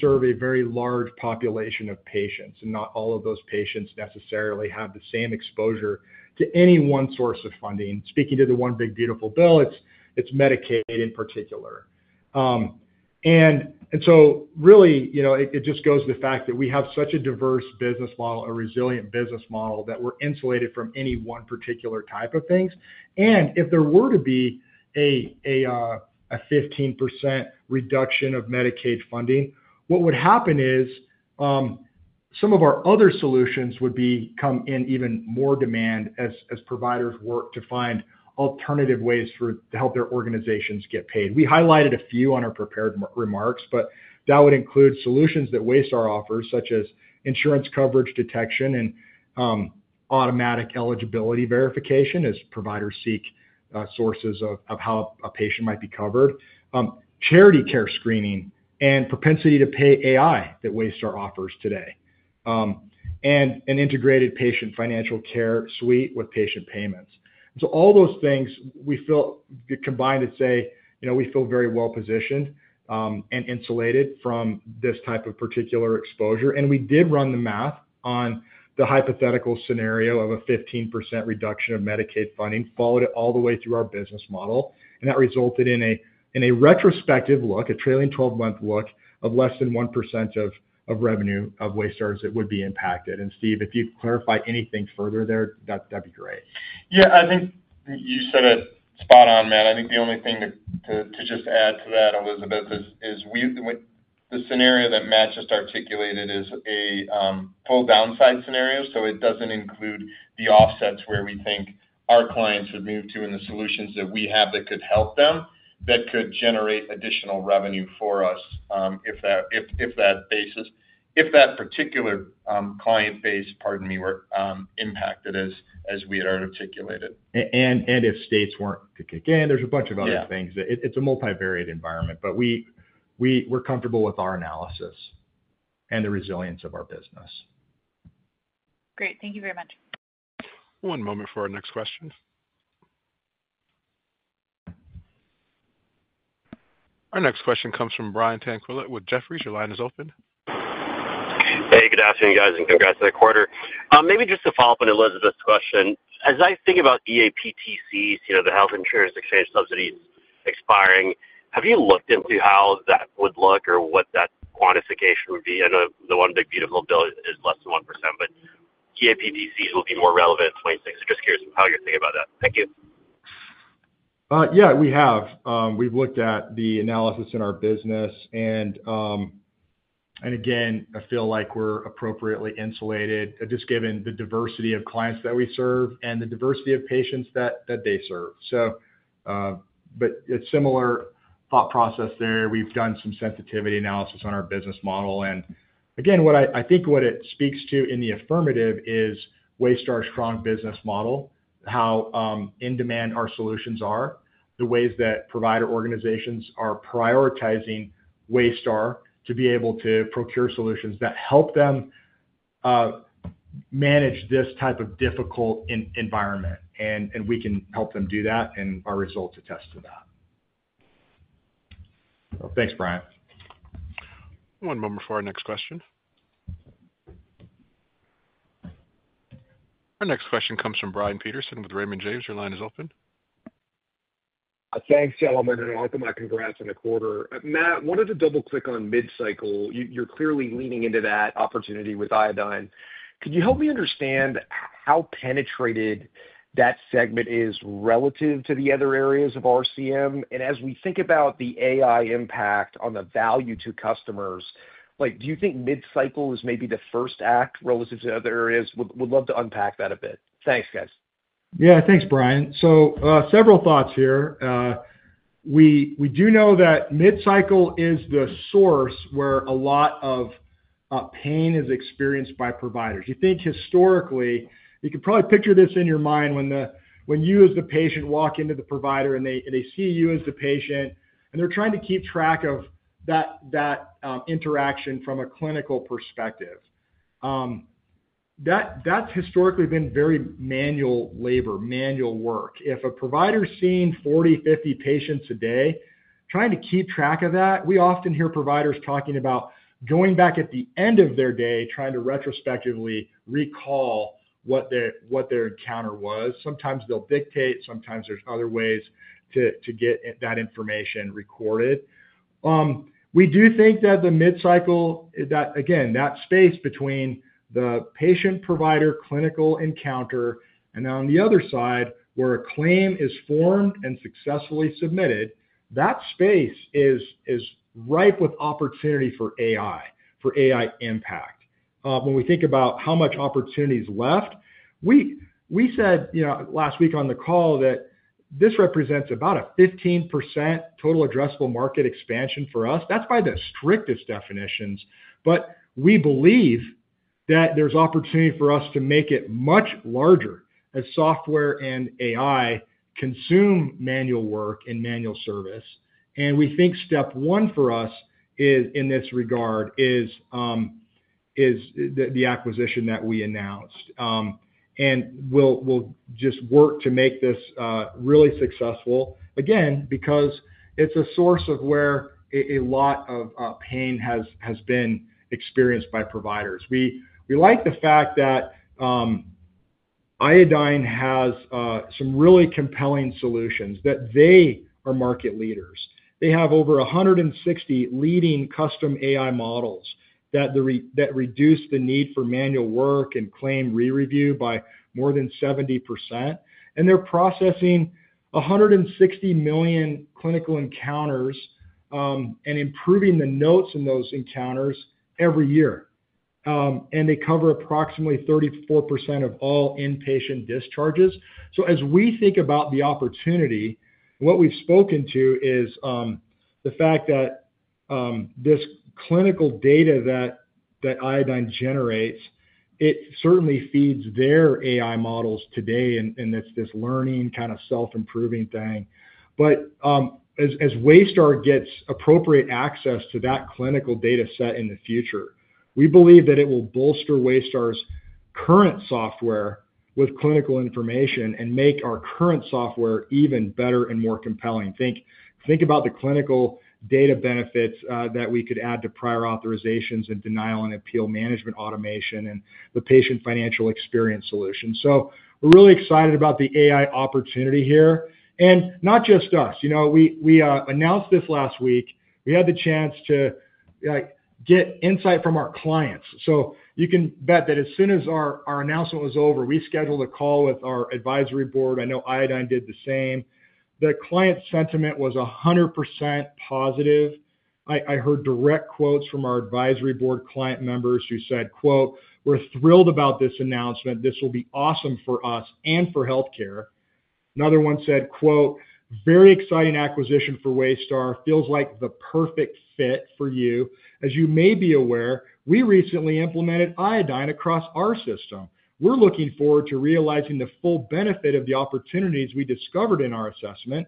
serve a very large population of patients. Not all of those patients necessarily have the same exposure to any one source of funding. Speaking to the One Big Beautiful Bill Act, it's Medicaid in particular. It just goes to the fact that we have such a diverse business model, a resilient business model, that we're insulated from any one particular type of things. If there were to be a 15% reduction of Medicaid funding, what would happen is some of our other solutions would come in even more demand as providers work to find alternative ways to help their organizations get paid. We highlighted a few on our prepared remarks, but that would include solutions that Waystar offers such as insurance coverage detection and automatic eligibility verification as providers seek sources of how a patient might be covered, charity care screening and propensity to pay AI that Waystar offers today, and an integrated patient financial care suite with patient payments. All those things we feel combined to say, you know, we feel very well positioned and insulated from this type of particular exposure. We did run the math on the hypothetical scenario of a 15% reduction of Medicaid funding, followed it all the way through our business model, and that resulted in a retrospective look, a trailing twelve month look of less than 1% of revenue of Waystar's that would be impacted. Steve, if you clarify anything further there, that'd be great. Yeah, I think you said it spot on, Matt. I think the only thing to just add to that, Elizabeth, is the scenario that Matt just articulated is a full downside scenario. It doesn't include the offsets where we think our clients have moved to and the solutions that we have that could help them, that could generate additional revenue for us if that basis, if that particular client base, pardon me, were impacted as we had articulated. If states weren't to kick in, there's a bunch of other things. It's a multivariate environment, but we're comfortable. With our analysis and the resilience of our business. Great, thank you very much. One moment for our next question. Our next question comes from Brian Tanquilut with Jefferies. Your line is open. Hey, good afternoon guys and congrats for the quarter. Maybe just to follow up on Elizabeth's question, as I think about APTCs, you know, the health insurance exchange subsidies expiring. Have you looked into how that would? Look, or what that quantification would be? I know the One Big Beautiful Bill Act is less than 1%, but APTCs will be more relevant. Just curious how you're thinking about that. Thank you. Yeah, we've looked at the analysis in our business, and I feel like we're appropriately insulated just given the diversity of clients that we serve and the diversity of patients that they serve. So. It's a similar thought process there. We've done some sensitivity analysis on our business model, and again, I think what it speaks to in the affirmative is Waystar's strong business model, how in demand our solutions are, the ways that provider organizations are prioritizing Waystar to be able to procure solutions that help them manage this type of difficult environment. We can help them do that. Our results attest to that. Thanks, Brian. One moment for our next question. Our next question comes from Brian Peterson with Raymond James. Your line is open. Thanks, gentlemen, and welcome. My congrats on the quarter. Matt wanted to double click on mid-cycle revenue stage. You're clearly leaning into that opportunity with Iodine. Could you help me understand how penetrated? That segment is relative to the other areas of RCM? As we think about the AI. Impact on the value to customers. You think mid-cycle is maybe the. First act relative to other areas? We'd love to unpack that a bit. Thanks, guys. Yeah, thanks, Brian. Several thoughts here. We do know that mid-cycle is the source where a lot of pain is experienced by providers. You think historically you can probably picture this in your mind when you as the patient walk into the provider and they see you as the patient and they're trying to keep track of that interaction. From a clinical perspective, that's historically been very manual labor, manual work. If a provider is seeing 40, 50 patients a day trying to keep track of that, we often hear providers talking about going back at the end of their day trying to retrospectively recall what their encounter was. Sometimes they'll dictate, sometimes there's other ways to get that information recorded. We do think that the mid-cycle, again that space between the patient, provider, clinical encounter and on the other side where a claim is formed and successfully submitted, that space is ripe with opportunity for AI, for AI impact. When we think about how much opportunity is left, we said last week on the call that this represents about a 15% total addressable market expansion for us, that's by the strictest definitions. We believe that there's opportunity for us to make it much larger as software and AI consume manual work and manual service. We think step one for us in this regard is the acquisition that we announced and we'll just work to make this really successful again because it's a source of where a lot of pain has been experienced by providers. We like the fact that Iodine Software has some really compelling solutions, that they are market leaders. They have over 160 leading custom AI models that reduce the need for manual work and claim re-review by more than 70% and they're processing 160 million clinical encounters and improving the notes in those encounters every year. They cover approximately 34% of all inpatient discharges. As we think about the opportunity, what we've spoken to is the fact that this clinical data that Iodine generates, it certainly feeds their AI models today and it's this learning kind of self-improving thing. As Waystar gets appropriate access to that clinical data set in the future, we believe that it will bolster Waystar's current software with clinical information and make our current software even better and more compelling. Think about the clinical data benefits that we could add to prior authorizations and denial and appeal management automation and the patient financial experience solution. We're really excited about the AI opportunity here. Not just us. We announced this last week. We had the chance to get insight from our clients. You can bet that as soon as our announcement was over, we scheduled a call with our advisory board. I know Iodine did the same. The client sentiment was 100% positive. I heard direct quotes from our advisory board client members who said, "We're thrilled about this announcement. This will be awesome for us and for healthcare." Another one said, "Very exciting acquisition for Waystar. Feels like the perfect fit for you. As you may be aware, we recently implemented Iodine across our system. We're looking forward to realizing the full benefit of the opportunities we discovered in our assessment.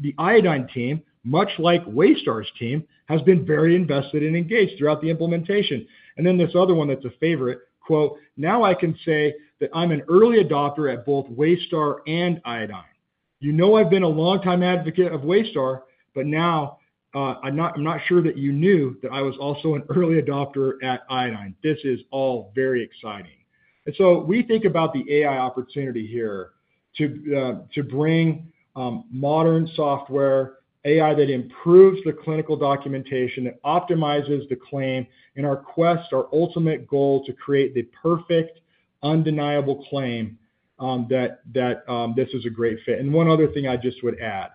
The Iodine team, much like Waystar's team, has been very invested and engaged throughout the implementation." This other one, that's a favorite quote. Now I can say that I'm an early adopter at both Waystar and Iodine. I've been a longtime advocate of Waystar, but now I'm not sure that you knew that I was also an early adopter at Iodine. This is all very exciting. We think about the AI opportunity here to bring modern software AI that improves the clinical documentation that optimizes the claim in our quest, our ultimate goal to create the perfect, undeniable claim that this is a great fit. One other thing I just would add.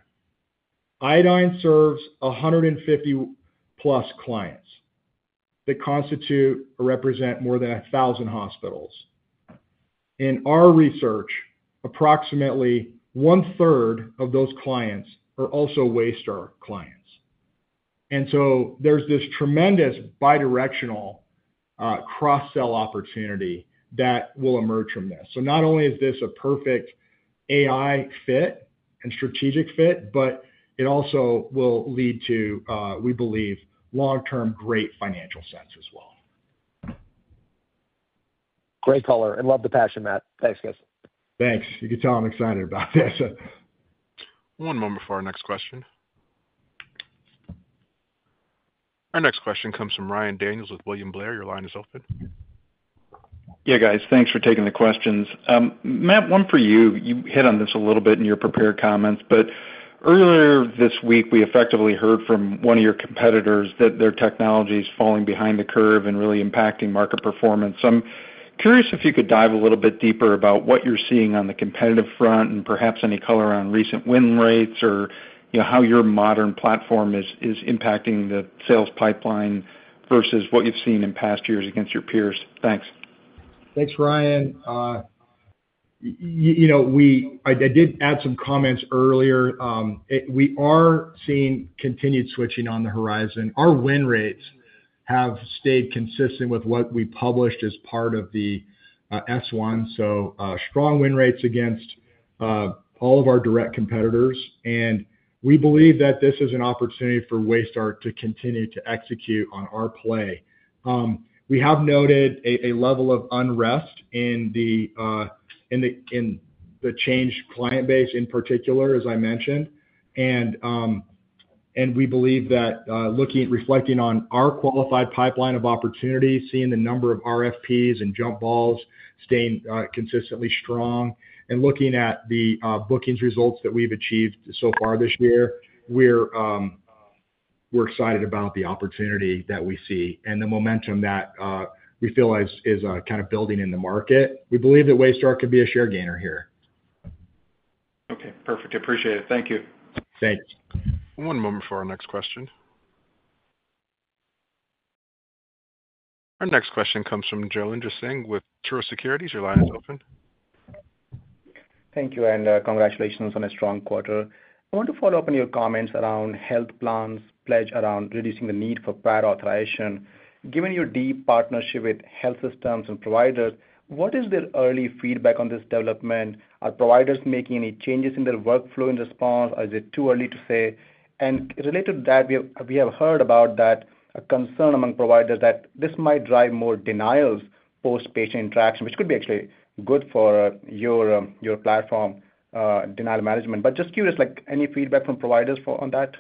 Iodine serves 150+ clients that constitute or represent more than 1,000 hospitals. In our research, approximately one third of those clients are also Waystar clients. There's this tremendous bidirectional cross-sell opportunity that will emerge from this. Not only is this a perfect AI fit and strategic fit, it also will lead to, we believe, long. Term, great financial sense as well. Great color and love the passion. Matt. Thanks guys. Thanks. You can tell I'm excited about this. One moment for our next question. Our next question comes from Ryan Daniels with William Blair. Your line is open. Yeah, guys, thanks for taking the questions. Matt, one for you. You hit on this a little bit in your prepared comments, but earlier this week we effectively heard from one of your competitors that their technology is falling behind the curve and really impacting market performance. I'm curious if you could dive a little deeper. Little bit deeper about what you're seeing on the competitive front and perhaps any color on recent win rates or you know, how your modern platform is impacting the sales pipeline versus what you've seen in past years against your peers. Thanks, Ryan. I did add some comments earlier. We are seeing continued switching on the horizon. Our win rates have stayed consistent with what we published as part of the S-1. Strong win rates against all of our direct competitors, and we believe that this is an opportunity for Waystar to continue to execute on our play. We have noted a level of unrest in the Change client base in particular, as I mentioned. We believe that looking at reflecting on our qualified pipeline of opportunity, seeing the number of RFPs and jump volumes staying consistently strong, and looking at the bookings results that we've achieved so far this year, we're excited about the opportunity that we see and the momentum that we feel is kind of building in the market. We believe that Waystar could be a share gainer here. Okay, perfect. Appreciate it. Thank you. Thanks. One moment for our next question. Our next question comes from Jailendra Singh with Truist Securities. Your line is open. Thank you. Congratulations on a strong quarter. I want to follow up on your comments around health plans' pledge around reducing the need for prior authorization. Given your deep partnership with health systems and providers, what is their early feedback on this development? Are providers making any changes in their workflow in response, or is it too early to say? Related to that, we have heard about a concern among providers that this might drive more denials post patient interaction, which could be actually good for your platform denial management. Just curious, any feedback from providers on that?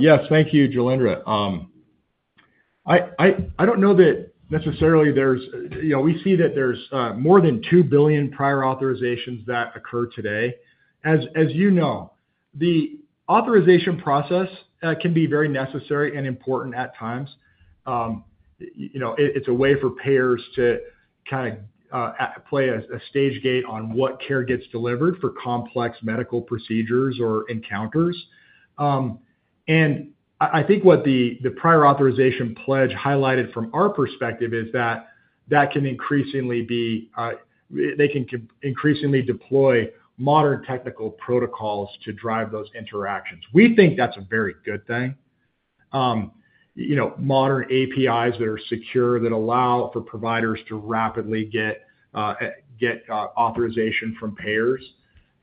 Yes, thank you, Jailendra. I don't know that necessarily. We see that there's more than 2 billion prior authorizations that occur today. As you know, the authorization process can be very necessary and important at times. It's a way for payers to kind of play a stage gate on what care gets delivered for complex medical procedures or encounters. I think what the Prior Authorization Pledge highlighted from our perspective is that they can increasingly deploy modern technical protocols to drive those interactions. We think that's a very good thing. Modern APIs that are secure allow for providers to rapidly get authorization from payers.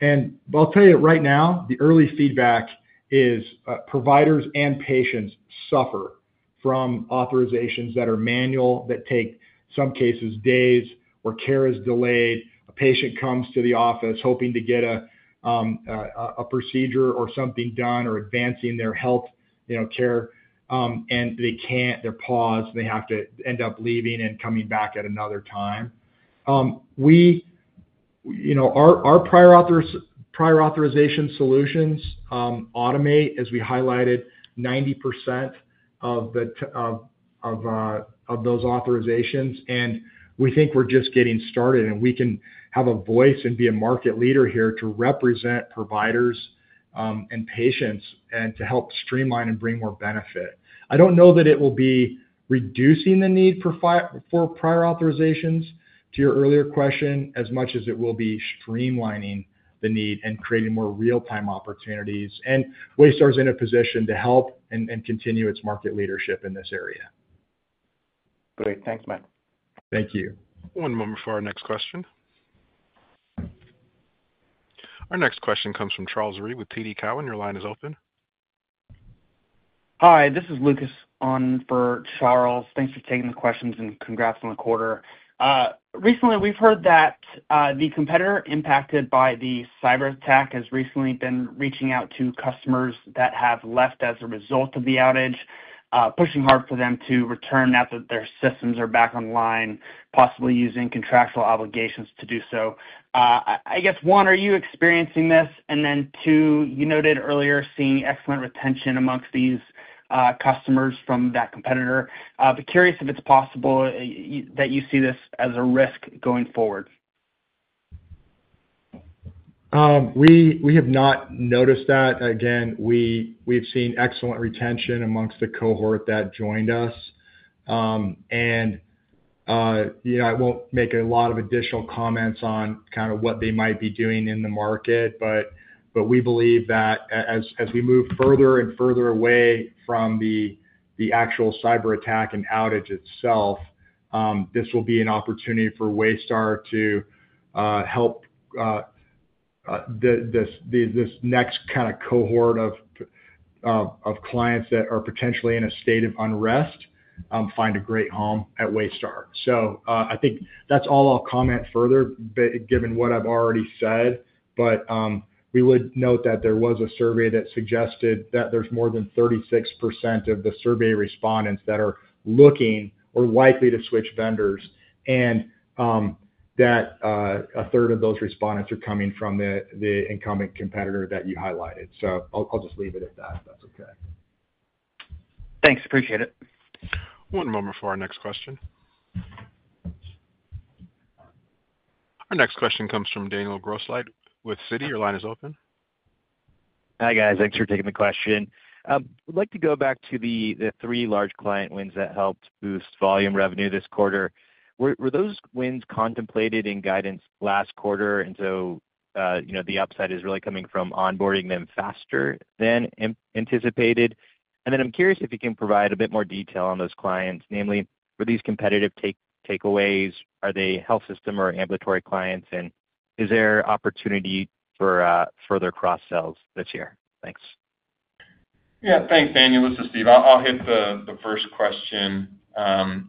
I'll tell you right now, the early feedback is providers and patients suffer from authorizations that are manual, that take, in some cases, days where care is delayed. A patient comes to the office hoping to get a procedure or something done or advancing their healthcare and they can't, they're paused, they have to end up leaving and coming back at another time. Our prior authorization solutions automate, as we highlighted, 90% of. Those. Authorizations, and we think we're just getting started. We can have a voice and be a market leader here to represent providers and patients and to help. Streamline and bring more benefit. I don't know that it will be reducing the need for prior authorizations to your earlier question as much as it will be streamlining the need and creating more real-time opportunities. Waystar's in a position to help. Waystar continues its market leadership in this area. Great. Thanks Matt. Thank you. One moment for our next question. Our next question comes from Charles Reid with TD Cowen. Your line is open. Hi, this is Lucas on for Charles. Thanks for taking the questions and congrats. On the quarter, recently we've heard that the competitor impacted by the cyber attack has recently been reaching out to customers that have left as a result of the outage, pushing hard for them to return after their systems are back online, possibly using contractual obligations to do so. I guess, one, are you experiencing this? You noted earlier seeing. Excellent retention amongst these customers from that competitor, but curious if it's possible that you see this as a risk going forward. We have not noticed that. Again, we've seen excellent retention amongst the cohort that joined us, and I won't make a lot of additional comments on kind of what they might be doing in the market. We believe that as we move further and further away from the actual cyber attack and outage itself, this will be an opportunity for Waystar to help this next kind of cohort of clients that are potentially in a state of unrest find a great home at Waystar. I think that's all. I'll comment further given what I've already said. We would note that there was a survey that suggested that there's more than 36% of the survey respondents that are looking or likely to switch vendors and that a third of those respondents are coming from the incumbent competitor that you highlighted. I'll just leave it at that if that's okay. Thanks. Appreciate it. One moment for our next question. Our next question comes from Daniel Grosslight with Citi. Your line is open. Hi guys. Thanks for taking the question. like to go back to the three large client wins that helped boost volume revenue this quarter. Were those wins contemplated in guidance last quarter? The upside is really coming. From onboarding them faster than anticipated, I'm curious if you can provide a bit more detail on those clients. Namely, were these competitive takeaways, are they health system or ambulatory clients, and is there opportunity for further cross sells this year? Thanks. Yeah, thanks Daniel. This is Steve. I'll hit the first question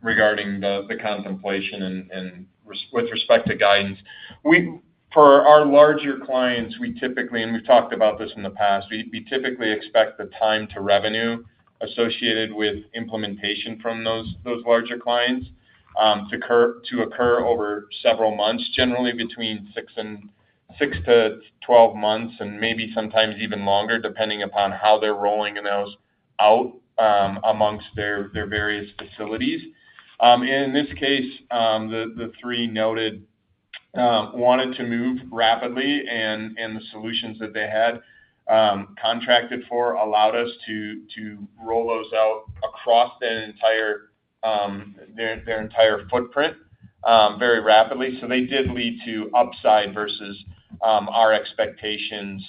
regarding the contemplation and with respect to guidance for our larger clients, we typically, and we've talked about this in the past, we typically expect the time to revenue associated with implementation from those larger clients to occur over several months, generally between six to 12 months and maybe sometimes even longer depending upon how they're rolling those out amongst their various facilities. In this case, the three noted wanted to move rapidly and the solutions that they had contracted for allowed us to roll those out across their entire footprint very rapidly. They did lead to upside versus our expectations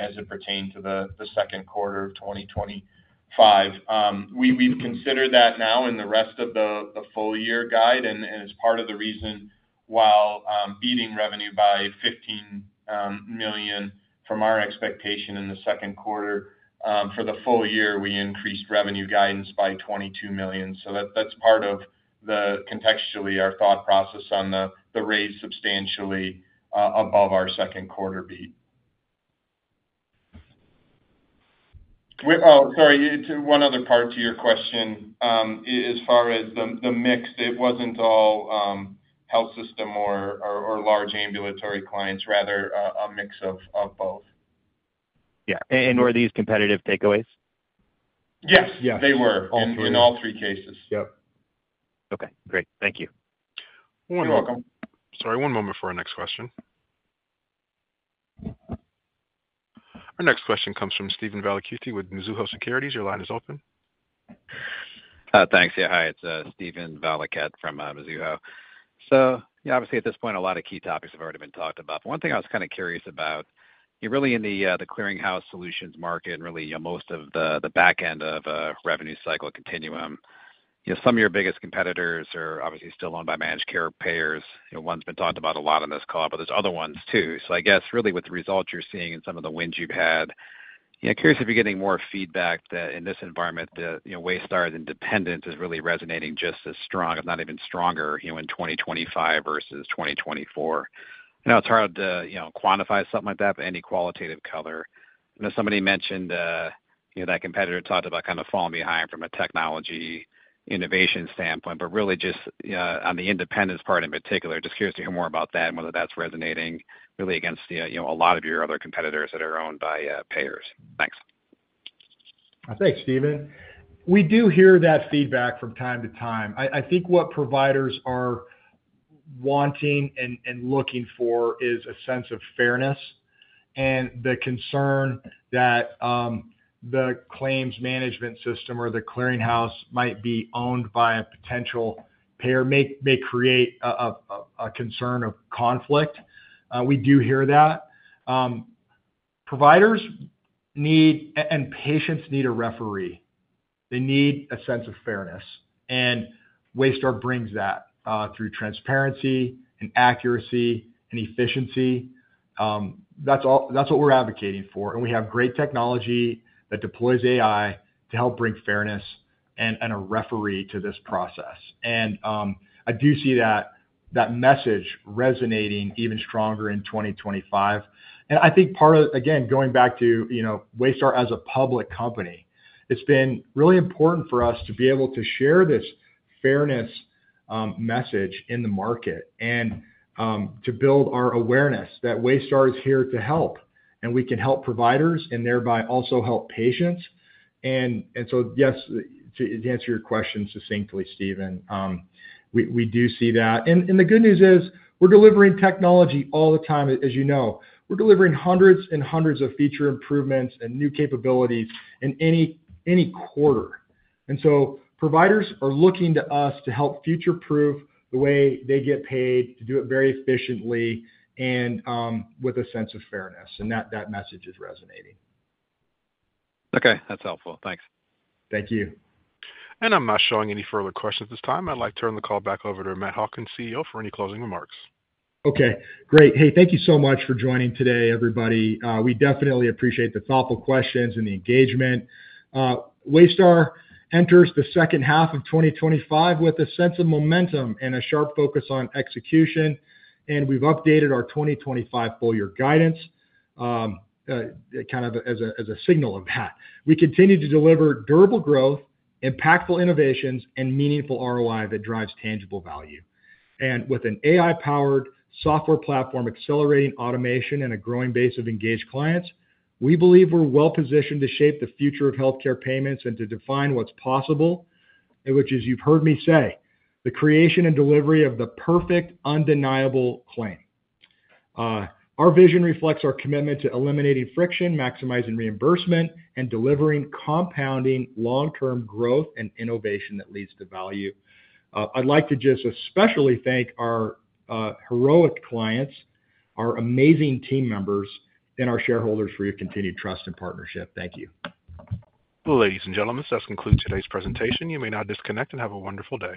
as it pertained to the. Second quarter of 2025. We've considered that now in the rest of the full year guide, and it's part of the reason. While beating revenue by $15 million from our expectation in the second quarter, for the full year, we increased revenue guidance by $22 million. That's part of the contextually our thought process on the raise substantially above. Our second quarter beat. Sorry. One other part to your question. As far as the mix, it wasn't all health system or large ambulatory clients, rather a mix of both. Yeah. Were these competitive takeaways? Yes, yeah, they were in all three cases. Yep. Okay, great. Thank you. You're welcome. Sorry, one moment for our next question. Our next question comes from Steven Valiquette with Mizuho Securities. Your line is open. Thanks. Yeah, hi, it's Steve Oreskovich from Mizuho. Yeah, obviously at this point. lot of key topics have already been talked about. One thing I was kind of curious about, you're really in the clearinghouse solutions market and really most of the back end of a revenue cycle continuum. Some of your biggest competitors are obviously still owned by managed care payers. One's been talked about a lot on this call, but there are other ones too. I guess with the results you're seeing and some of the wins you've had, I'm curious if you're getting more feedback that in this environment Waystar's independence is really resonating just as strong, if not even stronger, in 2025 versus 2024. Now. It's hard to quantify something like that, but any qualitative color? Somebody mentioned that a competitor talked about kind of falling behind from a technology innovation standpoint, but really just on the independence part in particular. Just curious to hear more about that and whether that's resonating really against a lot of your other competitors that are owned by payers. Thanks. Thanks, Steve. We do hear that feedback from time to time. I think what providers are wanting and looking for is a sense of fairness. The concern that the claims management system or the clearinghouse might be owned by a potential payer may create a concern of conflict. We do hear that providers need, and patients need, a referee. They need a sense of fairness, and Waystar brings that through transparency, accuracy, and efficiency. That is what we're advocating for. We have great technology that deploys AI to help bring fairness and a referee to this process. I do see that message resonating even stronger in 2025. Part of, again, going back to Waystar as a public company, it's been really important for us to be able to share this fairness message in the market and to build our awareness that Waystar is here to help, and we can help providers and thereby also help patients. Yes, to answer your question succinctly, Steve, we do see that. The good news is we're delivering technology all the time. As you know, we're delivering hundreds and hundreds of feature improvements and new capabilities in any quarter. Providers are looking to us to help future proof the way they get paid to do it very efficiently and with a sense of fairness. That message is resonating. Okay, that's helpful. Thanks. Thank you. I am not showing any further questions at this time. I'd like to turn the call back over to Matt Hawkins, CEO, for any closing remarks. Okay, great. Hey, thank you so much for joining today, everybody. We definitely appreciate the thoughtful questions and the engagement. Waystar enters the second half of 2025 with a sense of momentum and a sharp focus on execution. We've updated our 2025 full year guidance as a signal that we continue to deliver durable growth, impactful innovations, and meaningful ROI that drives tangible growth value. With an AI-powered software platform, accelerating automation, and a growing base of engaged clients, we believe we're well positioned to shape the future of healthcare payments and to define what's possible, which is, you've heard me say, the creation and delivery of the perfect undeniable claim. Our vision reflects our commitment to eliminating friction, maximizing reimbursement, and delivering compounding long-term growth and innovation that leads to value. I'd like to just especially thank our heroic clients, our amazing team members, and our shareholders for your continued trust and partnership. Thank you, ladies and gentlemen. That concludes today's presentation. You may now disconnect and have a wonderful day.